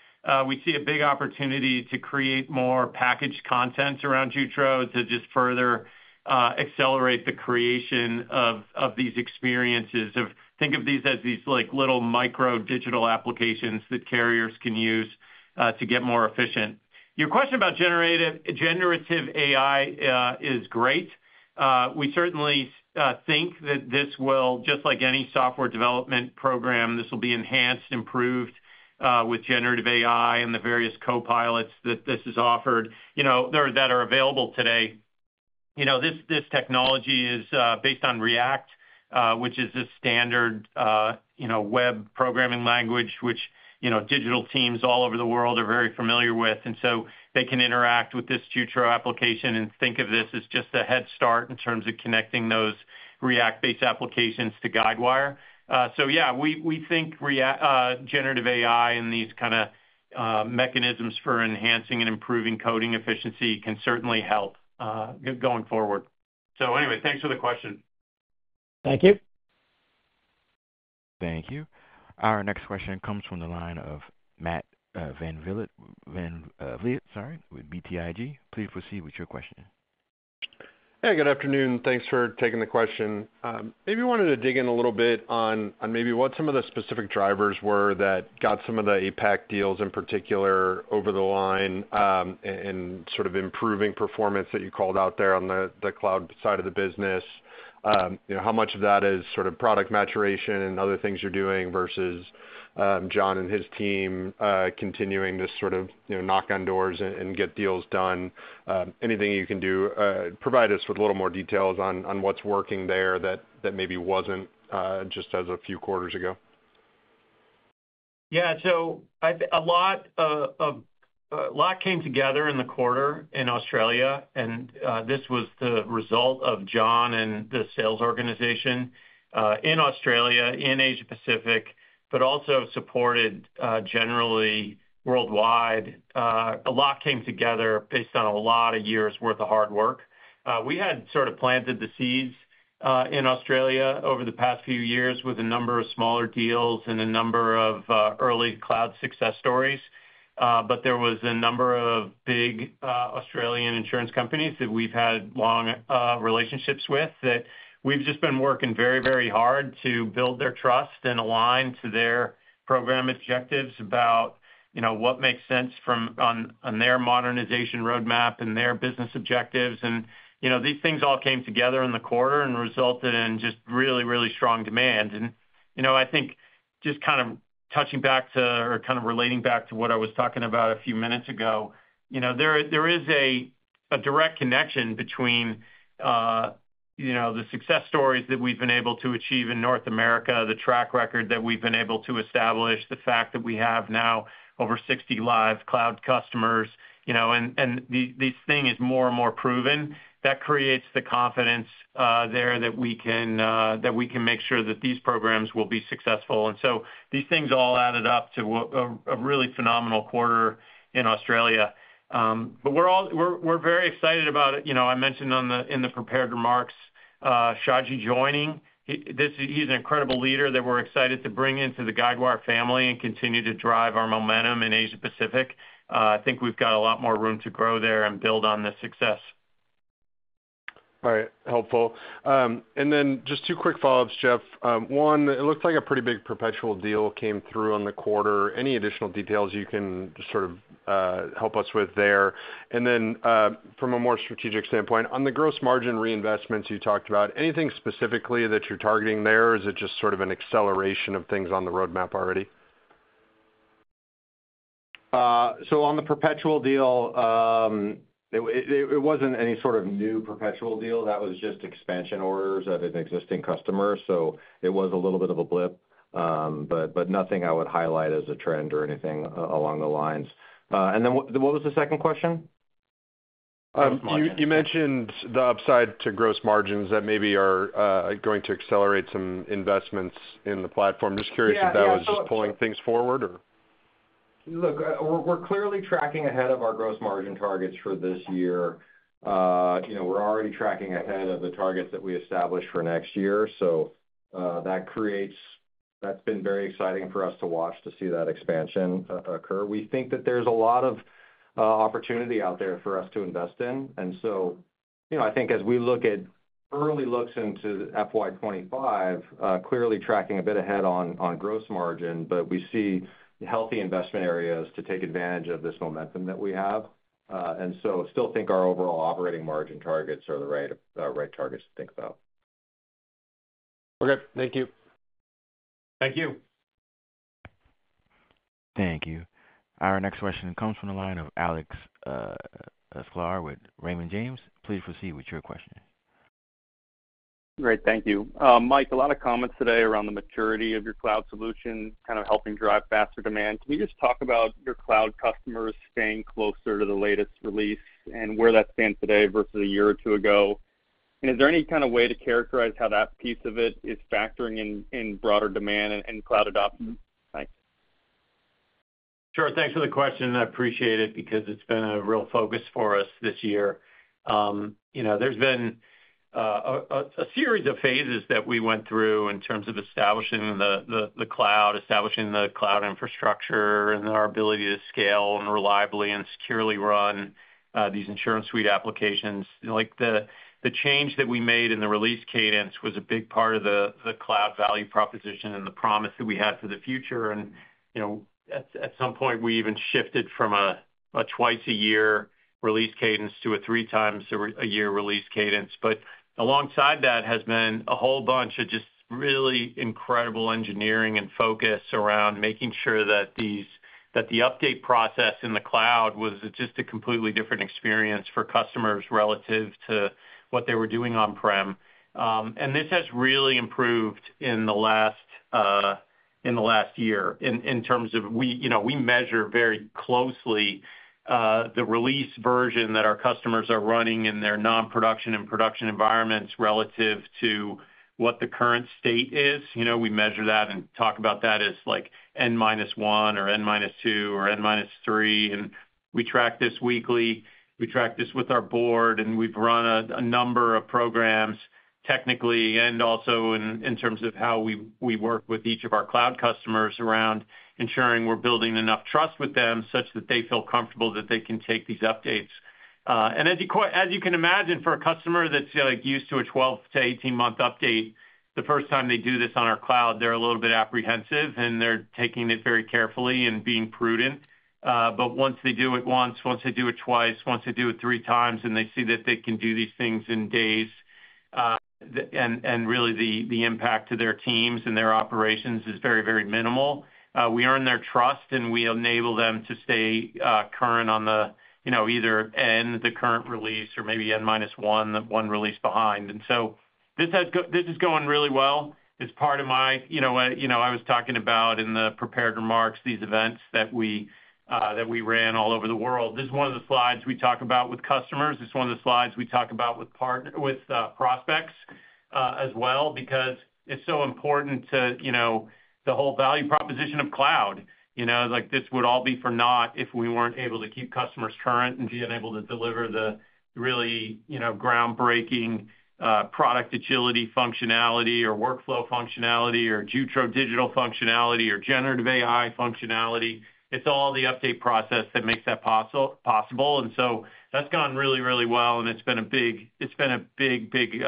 We see a big opportunity to create more packaged content around Jutro to just further accelerate the creation of of these experiences. Think of these as these little micro digital applications that carriers can use to get more efficient. Your question about generative AI is great. We certainly think that this will, just like any software development program, this will be enhanced, improved with generative AI and the various copilots that this is offered that are available today. You know, this technology is based on React, which is a standard web programming language, which digital teams all over the world are very familiar with. And so they can interact with this Jutro application and think of this as just a head start in terms of connecting those React-based applications to Guidewire. So yeah, we we think generative AI and these kind of mechanisms for enhancing and improving coding efficiency can certainly help going forward. So anyway, thanks for the question. Thank you. Thank you. Our next question comes from the line of Matt VanVliet, sorry, with BTIG. Please proceed with your question. Hey, good afternoon. Thanks for taking the question. Maybe wanted to dig in a little bit on maybe what some of the specific drivers were that got some of the APAC deals in particular over the line and sort of improving performance that you called out there on the cloud side of the business. How much of that is sort of product maturation and other things you're doing versus John and his team continuing to sort of knock on doors and get deals done? Anything you can do, provide us with a little more details on what's working there that maybe wasn't just as a few quarters ago. Yeah. So a lot, a lot came together in the quarter in Australia, and this was the result of John and the sales organization in Australia, in Asia-Pacific, but also supported generally worldwide. A lot came together based on a lot of years' worth of hard work. We had sort of planted the seeds in Australia over the past few years with a number of smaller deals and a number of early cloud success stories. But there was a number of big Australian insurance companies that we've had long relationships with that we've just been working very, very hard to build their trust and align to their program objectives about, you know, what makes sense on their modernization roadmap and their business objectives. These things all came together in the quarter and resulted in just really, really strong demand. You know, I think just kind of touching back to or kind of relating back to what I was talking about a few minutes ago, you know, there is a direct connection between, you know, the success stories that we've been able to achieve in North America, the track record that we've been able to establish, the fact that we have now over 60 live cloud customers, and this thing is more and more proven. That creates the confidence there that we can, we can make sure that these programs will be successful. So these things all added up to a really phenomenal quarter in Australia. We're very excited about it. I mentioned in the prepared remarks, Shaji joining. He's an incredible leader that we're excited to bring into the Guidewire family and continue to drive our momentum in Asia-Pacific. I think we've got a lot more room to grow there and build on the success. All right. Helpful. And then just two quick follow-ups, Jeff. One, it looks like a pretty big perpetual deal came through in the quarter. Any additional details you can sort of help us with there? And then from a more strategic standpoint, on the gross margin reinvestments you talked about, anything specifically that you're targeting there? Is it just sort of an acceleration of things on the roadmap already? So on the perpetual deal, it wasn't any sort of new perpetual deal. That was just expansion orders at an existing customer. So it was a little bit of a blip, but nothing I would highlight as a trend or anything along the lines. And then what was the second question? You mentioned the upside to gross margins that maybe are going to accelerate some investments in the platform. Just curious if that was just pulling things forward or? Look, we're clearly tracking ahead of our gross margin targets for this year. We're already tracking ahead of the targets that we established for next year. So that creates, that's been very exciting for us to watch to see that expansion occur. We think that there's a lot of opportunity out there for us to invest in. And so I think as we look at early looks into FY 2025, clearly tracking a bit ahead on on gross margin, but we see healthy investment areas to take advantage of this momentum that we have. And so still think our overall operating margin targets are the right targets to think about. Okay. Thank you. Thank you. Thank you. Our next question comes from the line of Alex Sklar with Raymond James. Please proceed with your question. Great. Thank you. Mike, a lot of comments today around the maturity of your cloud solution, kind of helping drive faster demand. Can you just talk about your cloud customers staying closer to the latest release and where that stands today versus a year or two ago? And is there any kind of way to characterize how that piece of it is factoring in broader demand and cloud adoption? Thanks. Sure. Thanks for the question. I appreciate it because it's been a real focus for us this year. There's been a series of phases that we went through in terms of establishing the cloud, establishing the cloud infrastructure, and our ability to scale and reliably and securely run these InsuranceSuite applications. The change that we made in the release cadence was a big part of the cloud value proposition and the promise that we had for the future. And at some point, we even shifted from a twice-a-year release cadence to a three-times-a-year release cadence. But alongside that has been a whole bunch of just really incredible engineering and focus around making sure that the, that the update process in the cloud was just a completely different experience for customers relative to what they were doing on-prem. And this has really improved in the last year in terms of we measure very closely the release version that our customers are running in their non-production and production environments relative to what the current state is. We measure that and talk about that as N-1 or N-2 or N-3. We track this weekly. We track this with our board, and we've run a number of programs technically and also in terms of how we work with each of our cloud customers around ensuring we're building enough trust with them such that they feel comfortable that they can take these updates. And as you can imagine, for a customer that's used to a 12-18-month update, the first time they do this on our cloud, they're a little bit apprehensive, and they're taking it very carefully and being prudent. But once they do it once, once they do it twice, once they do it three times, and they see that they can do these things in days, and and really the impact to their teams and their operations is very, very minimal. We earn their trust, and we enable them to stay current on either N, the current release, or maybe N-1, one release behind. And so this is going really well. It's part of my I was talking about in the prepared remarks, these events that we we ran all over the world. This is one of the slides we talk about with customers. It's one of the slides we talk about with prospects as well because it's so important to, you know, the whole value proposition of cloud. You know, this would all be for naught if we weren't able to keep customers current and be able to deliver the really groundbreaking product agility functionality or workflow functionality or Jutro digital functionality or generative AI functionality. It's all the update process that makes that possible. And so that's gone really, really well, and it's been a big, big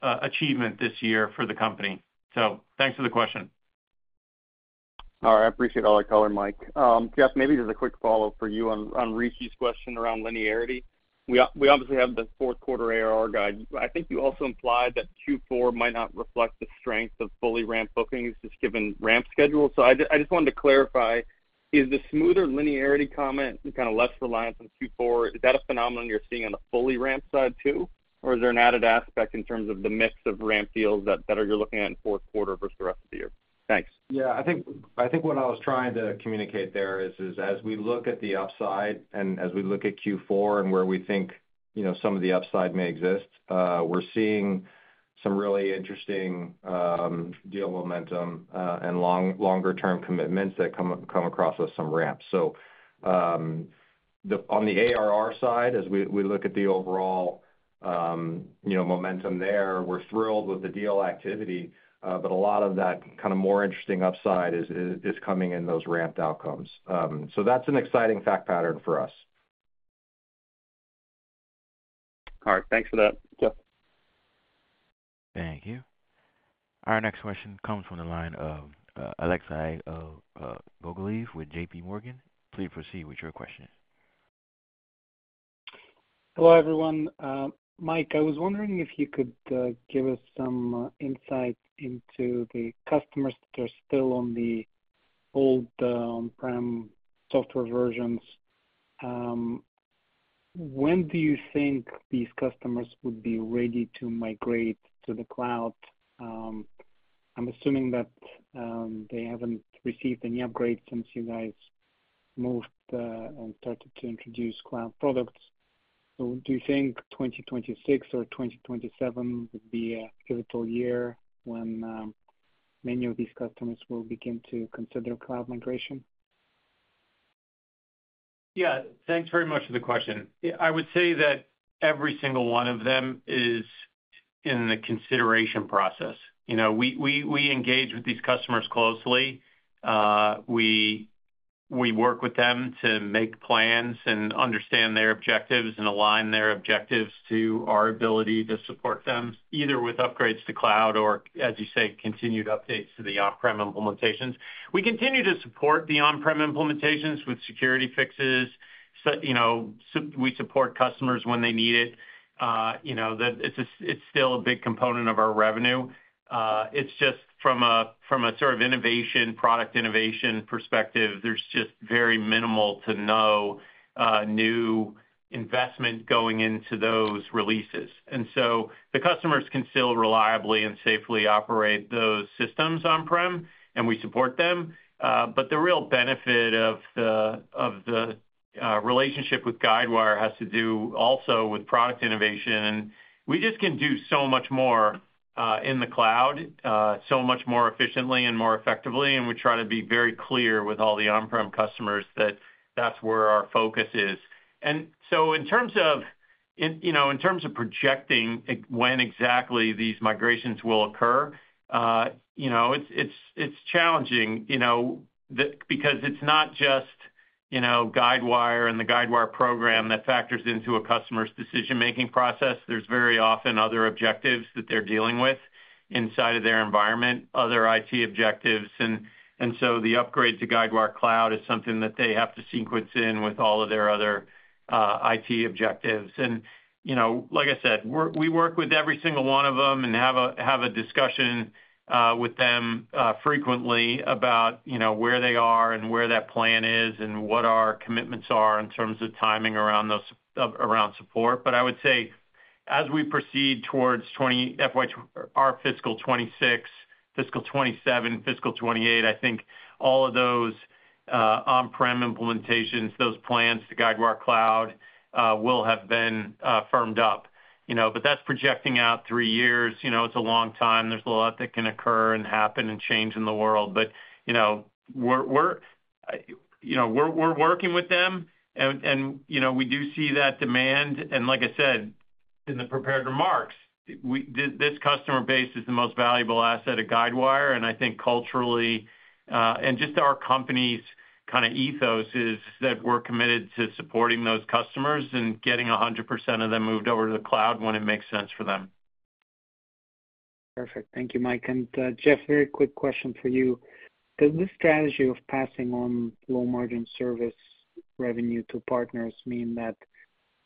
achievement this year for the company. So thanks for the question. All right. I appreciate all that color, Mike. Jeff, maybe just a quick follow-up for you on Rishi's question around linearity. We obviously have the fourth quarter ARR guide. I think you also implied that Q4 might not reflect the strength of fully ramp bookings just given ramp schedule. So I just wanted to clarify, is the smoother linearity comment, kind of less reliance on Q4, is that a phenomenon you're seeing on the fully ramp side too, or is there an added aspect in terms of the mix of ramp deals that you're looking at in fourth quarter versus the rest of the year? Thanks. Yeah. I think what I was trying to communicate there is, as we look at the upside and as we look at Q4 and where we think some of the upside may exist, we're seeing some really interesting deal momentum and long longer-term commitments that come across with some ramps. So on the ARR side, as we look at the overall, you know, momentum there, we're thrilled with the deal activity, but a lot of that kind of more interesting upside is coming in those ramped outcomes. So that's an exciting fact pattern for us. All right. Thanks for that. Thank you. Our next question comes from the line of Alexei Gogolev with JPMorgan. Please proceed with your questions. Hello, everyone. Mike, I was wondering if you could give us some insight into the customers that are still on the old on-prem software versions. When do you think these customers would be ready to migrate to the cloud? I'm assuming that they haven't received any upgrades since you guys moved and started to introduce cloud products. So do you think 2026 or 2027 would be a pivotal year when many of these customers will begin to consider cloud migration? Yeah. Thanks very much for the question. I would say that every single one of them is in the consideration process. We engage with these customers closely. We work with them to make plans and understand their objectives and align their objectives to our ability to support them either with upgrades to cloud or, as you say, continued updates to the on-prem implementations. We continue to support the on-prem implementations with security fixes. You know, we support customers when they need it. It's still a big component of our revenue. It's just from a sort of innovation, product innovation perspective, there's just very minimal to no new investment going into those releases. And so the customers can still reliably and safely operate those systems on-prem, and we support them. But the real benefit of the, of the relationship with Guidewire has to do also with product innovation. We just can do so much more in the cloud, so much more efficiently and more effectively. We try to be very clear with all the on-prem customers that that's where our focus is. And so in terms of, you know, projecting when exactly these migrations will occur, you know it's, it's challenging, you know, because it's not just, you know, Guidewire and the Guidewire program that factors into a customer's decision-making process. There's very often other objectives that they're dealing with inside of their environment, other IT objectives. And so the upgrade to Guidewire Cloud is something that they have to sequence in with all of their other IT objectives. And you know, like I said, we work with every single one of them and have a discussion with them frequently about, you know, where they are and where that plan is and what our commitments are in terms of timing around around support. But I would say as we proceed towards our fiscal 2026, fiscal 2027, fiscal 2028, I think all of those on-prem implementations, those plans to Guidewire Cloud will have been firmed up. That's projecting out three years. It's a long time. There's a lot that can occur and happen and change in the world. But you know, we're we're working with them, and and we do see that demand. Like I said, in the prepared remarks, this customer base is the most valuable asset of Guidewire. And I think culturally and just our company's kind of ethos is that we're committed to supporting those customers and getting 100% of them moved over to the cloud when it makes sense for them. Perfect. Thank you, Mike. And Jeff, very quick question for you. Does this strategy of passing on low-margin service revenue to partners mean that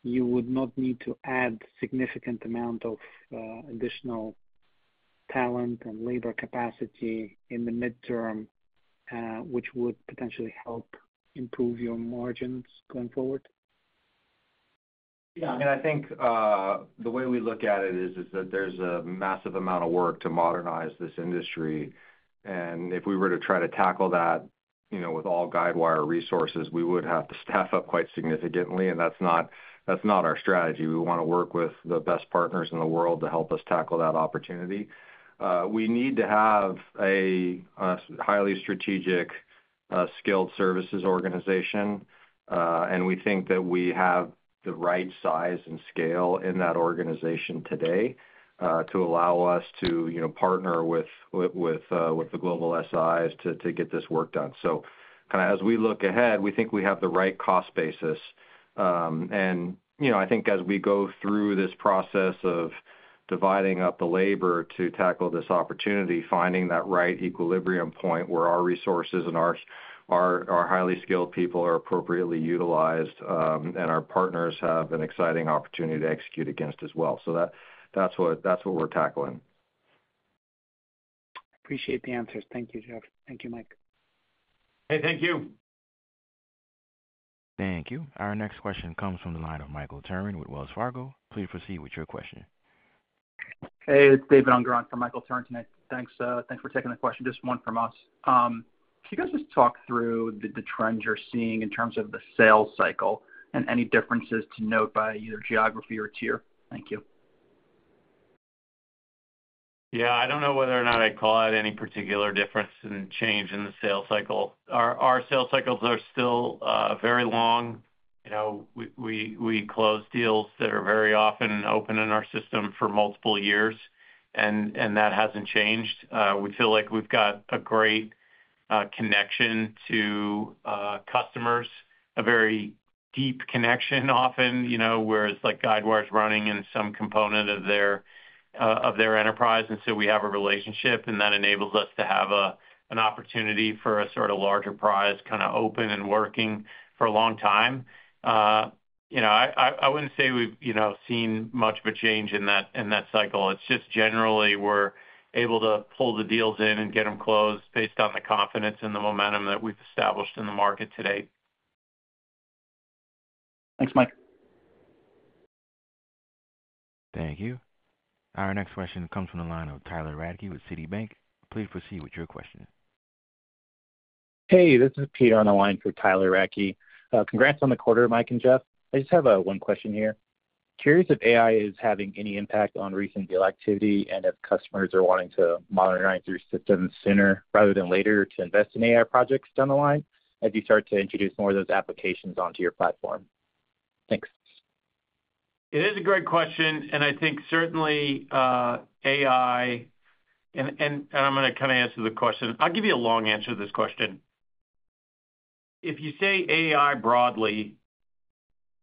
you would not need to add a significant amount of additional talent and labor capacity in the midterm, which would potentially help improve your margins going forward? Yeah. I think the way we look at it is that there's a massive amount of work to modernize this industry. And if we were to try to tackle that, you know, with all Guidewire resources, we would have to staff up quite significantly. And that's not our strategy. We want to work with the best partners in the world to help us tackle that opportunity. We need to have a highly strategic, skilled services organization. And we think that we have the right size and scale in that organization today to allow us to partner with with the global SIs to get this work done. So kind of as we look ahead, we think we have the right cost basis. And you know, I think as we go through this process of dividing up the labor to tackle this opportunity, finding that right equilibrium point where our resources and our highly skilled people are appropriately utilized and our partners have an exciting opportunity to execute against as well. So that's what we're tackling. Appreciate the answers. Thank you, Jeff. Thank you, Mike. Hey, thank you. Thank you. Our next question comes from the line of Michael Turrin with Wells Fargo. Please proceed with your question. Hey, it's David on the line from Michael Turrin today. Thanks for taking the question. Just one from us. Can you guys just talk through the trends you're seeing in terms of the sales cycle and any differences to note by either geography or tier? Thank you. Yeah. I don't know whether or not I'd call it any particular difference in change in the sales cycle. Our sales cycles are still very long. We close deals that are very often open in our system for multiple years, and and that hasn't changed. We feel like we've got a great connection to customers, a very deep connection often, you know, whereas Guidewire is running in some component of their enterprise. And so we have a relationship, and that enables us to have an opportunity for a sort of larger prize kind of open and working for a long time. I wouldn't say we've seen much of a change in that, in that cycle. It's just generally we're able to pull the deals in and get them closed based on the confidence and the momentum that we've established in the market today. Thanks, Mike. Thank you. Our next question comes from the line of Tyler Radke with Citibank. Please proceed with your question. Hey, this is Peter on the line for Tyler Radke. Congrats on the quarter, Mike and Jeff. I just have one question here. Curious if AI is having any impact on recent deal activity and if customers are wanting to modernize their systems sooner rather than later to invest in AI projects down the line as you start to introduce more of those applications onto your platform? Thanks. It is a great question, and I think certainly AI, and I'm going to kind of answer the question. I'll give you a long answer to this question. If you say AI broadly,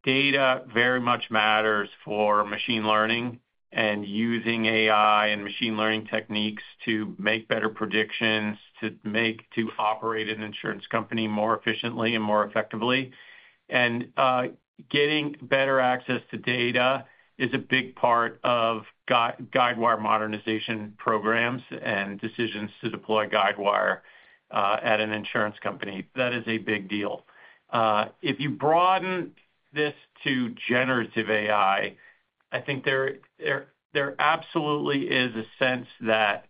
data very much matters for machine learning and using AI and machine learning techniques to make better predictions, toy make to operate an insurance company more efficiently and more effectively. Getting better access to data is a big part of Guidewire modernization programs and decisions to deploy Guidewire at an insurance company. That is a big deal. If you broaden this to generative AI, I think there absolutely is a sense that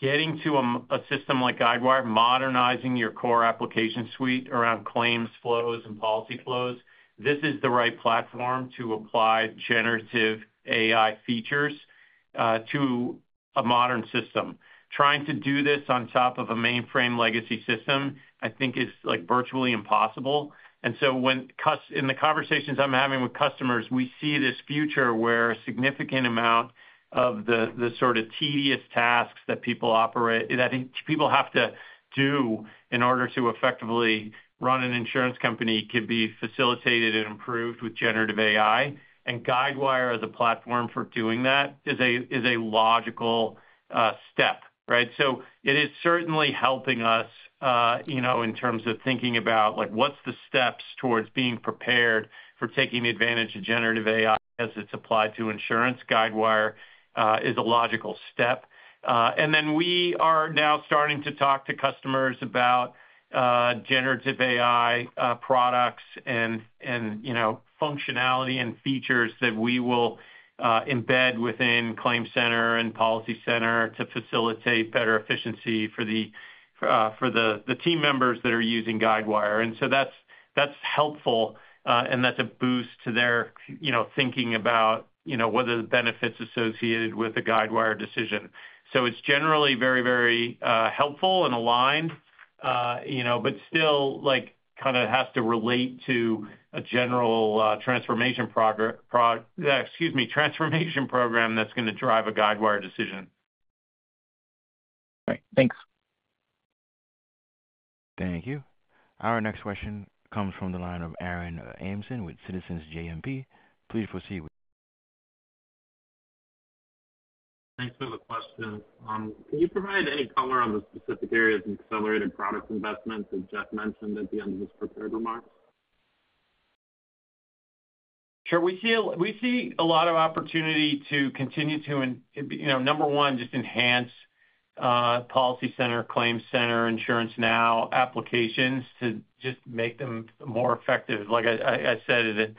getting to a system like Guidewire, modernizing your core application suite around claims flows and policy flows, this is the right platform to apply generative AI features to a modern system. Trying to do this on top of a mainframe legacy system, I think, is virtually impossible. And so in the conversations I'm having with customers, we see this future where a significant amount of the sort of tedious tasks that people have to do in order to effectively run an insurance company could be facilitated and improved with generative AI. And Guidewire as a platform for doing that is a, is a logical step. So it is certainly helping us in terms of thinking about what's the steps towards being prepared for taking advantage of generative AI as it's applied to insurance. Guidewire is a logical step. And then we are now starting to talk to customers about generative AI products and and, you know, functionality and features that we will embed within ClaimCenter and PolicyCenter to facilitate better efficiency for the, for the team members that are using Guidewire. And so that's, that's helpful, and that's a boost to their, you know, thinking about, you know, what are the benefits associated with a Guidewire decision. So it's generally very, very helpful and aligned, but still kind of has to relate to a general transformation, general transformation program that's going to drive a Guidewire decision. All right. Thanks. Thank you. Our next question comes from the line of Aaron Kimson with Citizens JMP. Please proceed. Thanks for the question. Can you provide any color on the specific areas in accelerated product investment that Jeff mentioned at the end of his prepared remarks? Sure. We see a lot of opportunity to continue to, number one, just enhance PolicyCenter, ClaimCenter, InsuranceNow applications to just make them more effective. Like I said,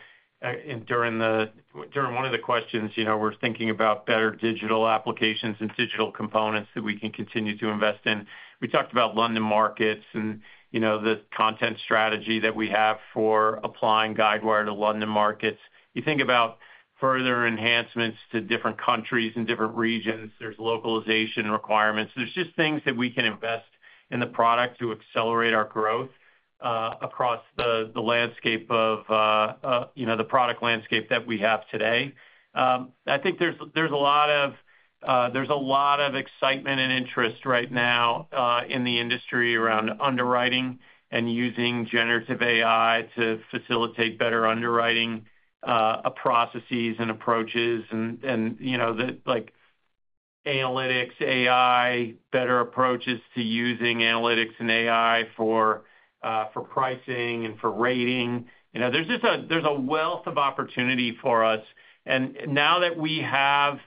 during one of the questions, we're thinking about better digital applications and digital components that we can continue to invest in. We talked about London markets and the content strategy that we have for applying Guidewire to London markets. You think about further enhancements to different countries and different regions. There's localization requirements. There's just things that we can invest in the product to accelerate our growth across the the landscape of the product landscape that we have today. I think there's a lot of, there's a lot of excitement and interest right now in the industry around underwriting and using generative AI to facilitate better underwriting processes and approaches and analytics, AI, better approaches to using analytics and AI for for pricing and for rating. There's a wealth of opportunity for us. And now that we have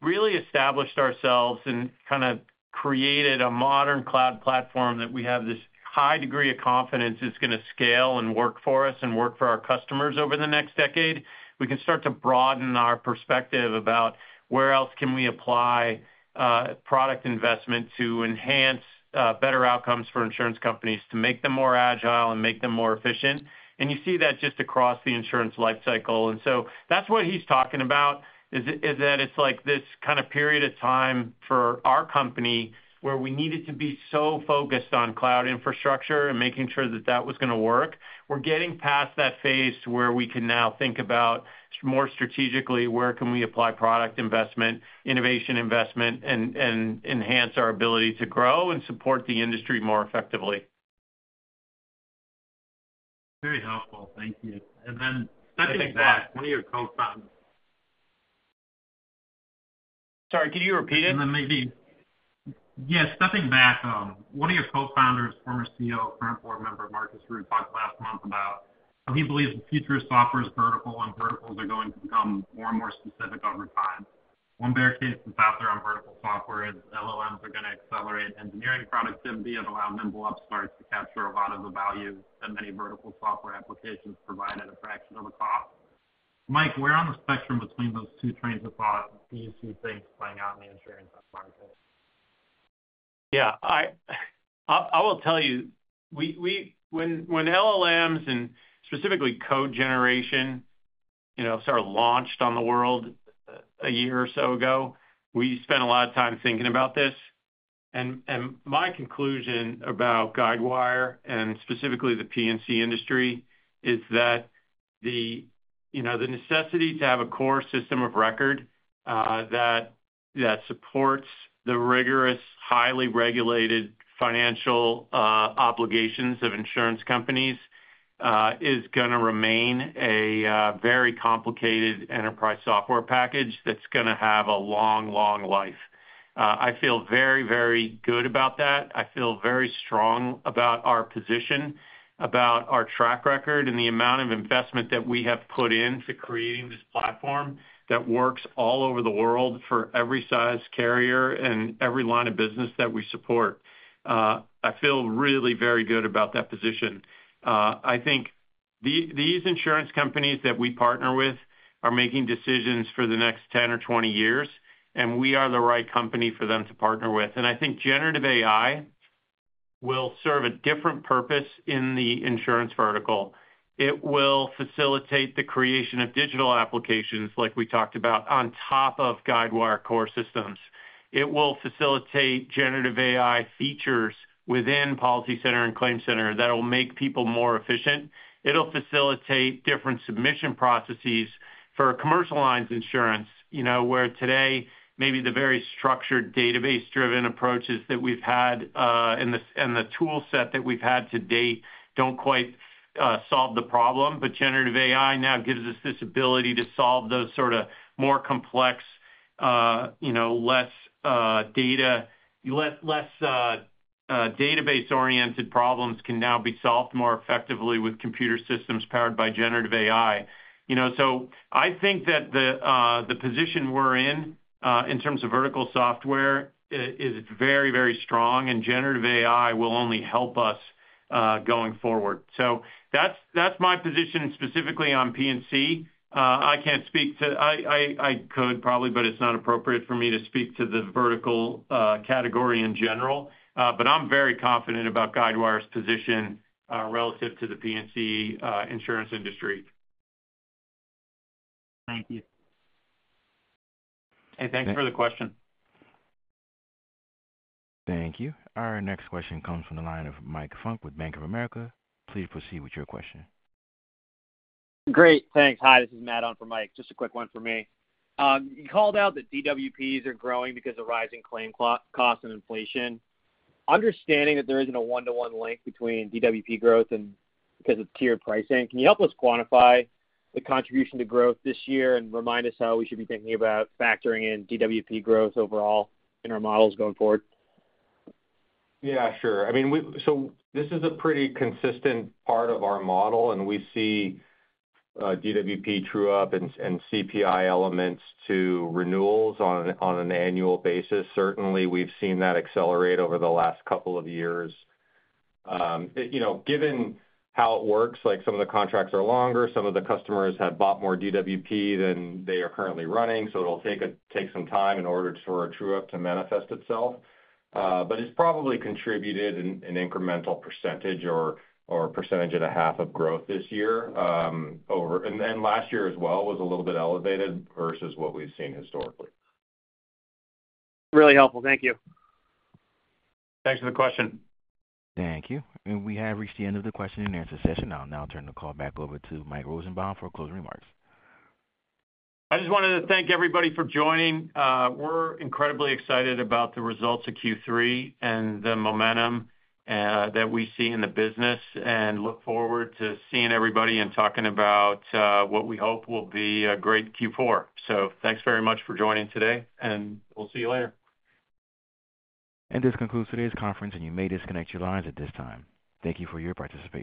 really established ourselves and kind of created a modern cloud platform that we have this high degree of confidence is going to scale and work for us and work for our customers over the next decade, we can start to broaden our perspective about where else can we apply product investment to enhance better outcomes for insurance companies to make them more agile and make them more efficient. And you see that just across the insurance life cycle. And so that's what he's talking about, is that it's like this kind of period of time for our company where we needed to be so focused on cloud infrastructure and making sure that that was going to work. We're getting past that phase to where we can now think about more strategically where can we apply product investment, innovation investment, and and enhance our ability to grow and support the industry more effectively. Very helpful. Thank you. And then one of your co-founders. Sorry, could you repeat it? Yes, nothing bad. One of your co-founders, former CEO, current board member, Marcus Ryu, talked last month about how he believes in future software's vertical and verticals are going to become more and more specific over time. One best case of software on vertical software is LLMs are going to accelerate engineering productivity and allow nimble upstarts to capture a lot of the value that many vertical software applications provide at a fraction of the cost. Mike, we're on a spectrum between those two trains of thought. Do you see things playing out in the insurance market? Yeah. I will tell you, when LLMs and specifically code generation sort of launched on the world a year or so ago, we spent a lot of time thinking about this. And and my conclusion about Guidewire and specifically the P&C industry is that the necessity to have a core system of record that that supports the rigorous, highly regulated financial obligations of insurance companies is going to remain a very complicated enterprise software package that's going to have a long, long life. I feel very, very good about that. I feel very strong about our position, about our track record, and the amount of investment that we have put into creating this platform that works all over the world for every size carrier and every line of business that we support. I feel really very good about that position. I think these insurance companies that we partner with are making decisions for the next 10 or 20 years, and we are the right company for them to partner with. I think generative AI will serve a different purpose in the insurance vertical. It will facilitate the creation of digital applications like we talked about on top of Guidewire core systems. It will facilitate generative AI features within PolicyCenter and ClaimCenter that will make people more efficient. It'll facilitate different submission processes for commercial lines insurance, you know, where today, maybe the very structured database-driven approaches that we've had and the toolset that we've had to date don't quite solve the problem. But generative AI now gives us this ability to solve those sort of more complex, you know less data, less database-oriented problems can now be solved more effectively with computer systems powered by generative AI. You know, so I think that the position we're in in terms of vertical software is very, very strong, and generative AI will only help us going forward. So that's my position specifically on P&C. I can't speak to, but it's not appropriate for me to speak to the vertical category in general. But I'm very confident about Guidewire's position relative to the P&C insurance industry. Thank you. Hey, thanks for the question. Thank you. Our next question comes from the line of Mike Funk with Bank of America. Please proceed with your question. Great. Thanks. Hi, this is Matt on for Mike. Just a quick one for me. You called out that DWPs are growing because of rising claim costs and inflation. Understanding that there isn't a one-to-one link between DWP growth and because of tiered pricing, can you help us quantify the contribution to growth this year and remind us how we should be thinking about factoring in DWP growth overall in our models going forward? Yeah, sure. I mean, so this is a pretty consistent part of our model, and we see DWP true up and CPI elements to renewals on an annual basis. Certainly, we've seen that accelerate over the last couple of years. Given how it works, some of the contracts are longer. Some of the customers have bought more DWP than they are currently running, so it'll take some time in order for a true up to manifest itself. But it's probably contributed an incremental percentage or or percentage of the half of growth this year. And then last year as well was a little bit elevated versus what we've seen historically. Really helpful. Thank you. Thanks for the question. Thank you. We have reached the end of the Q&A session. I'll now turn the call back over to Mike Rosenbaum for closing remarks. I just wanted to thank everybody for joining. We're incredibly excited about the results of Q3 and the momentum that we see in the business and look forward to seeing everybody and talking about what we hope will be a great Q4. So thanks very much for joining today, and we'll see you later. This concludes today's conference, and you may disconnect your lines at this time. Thank you for your participation.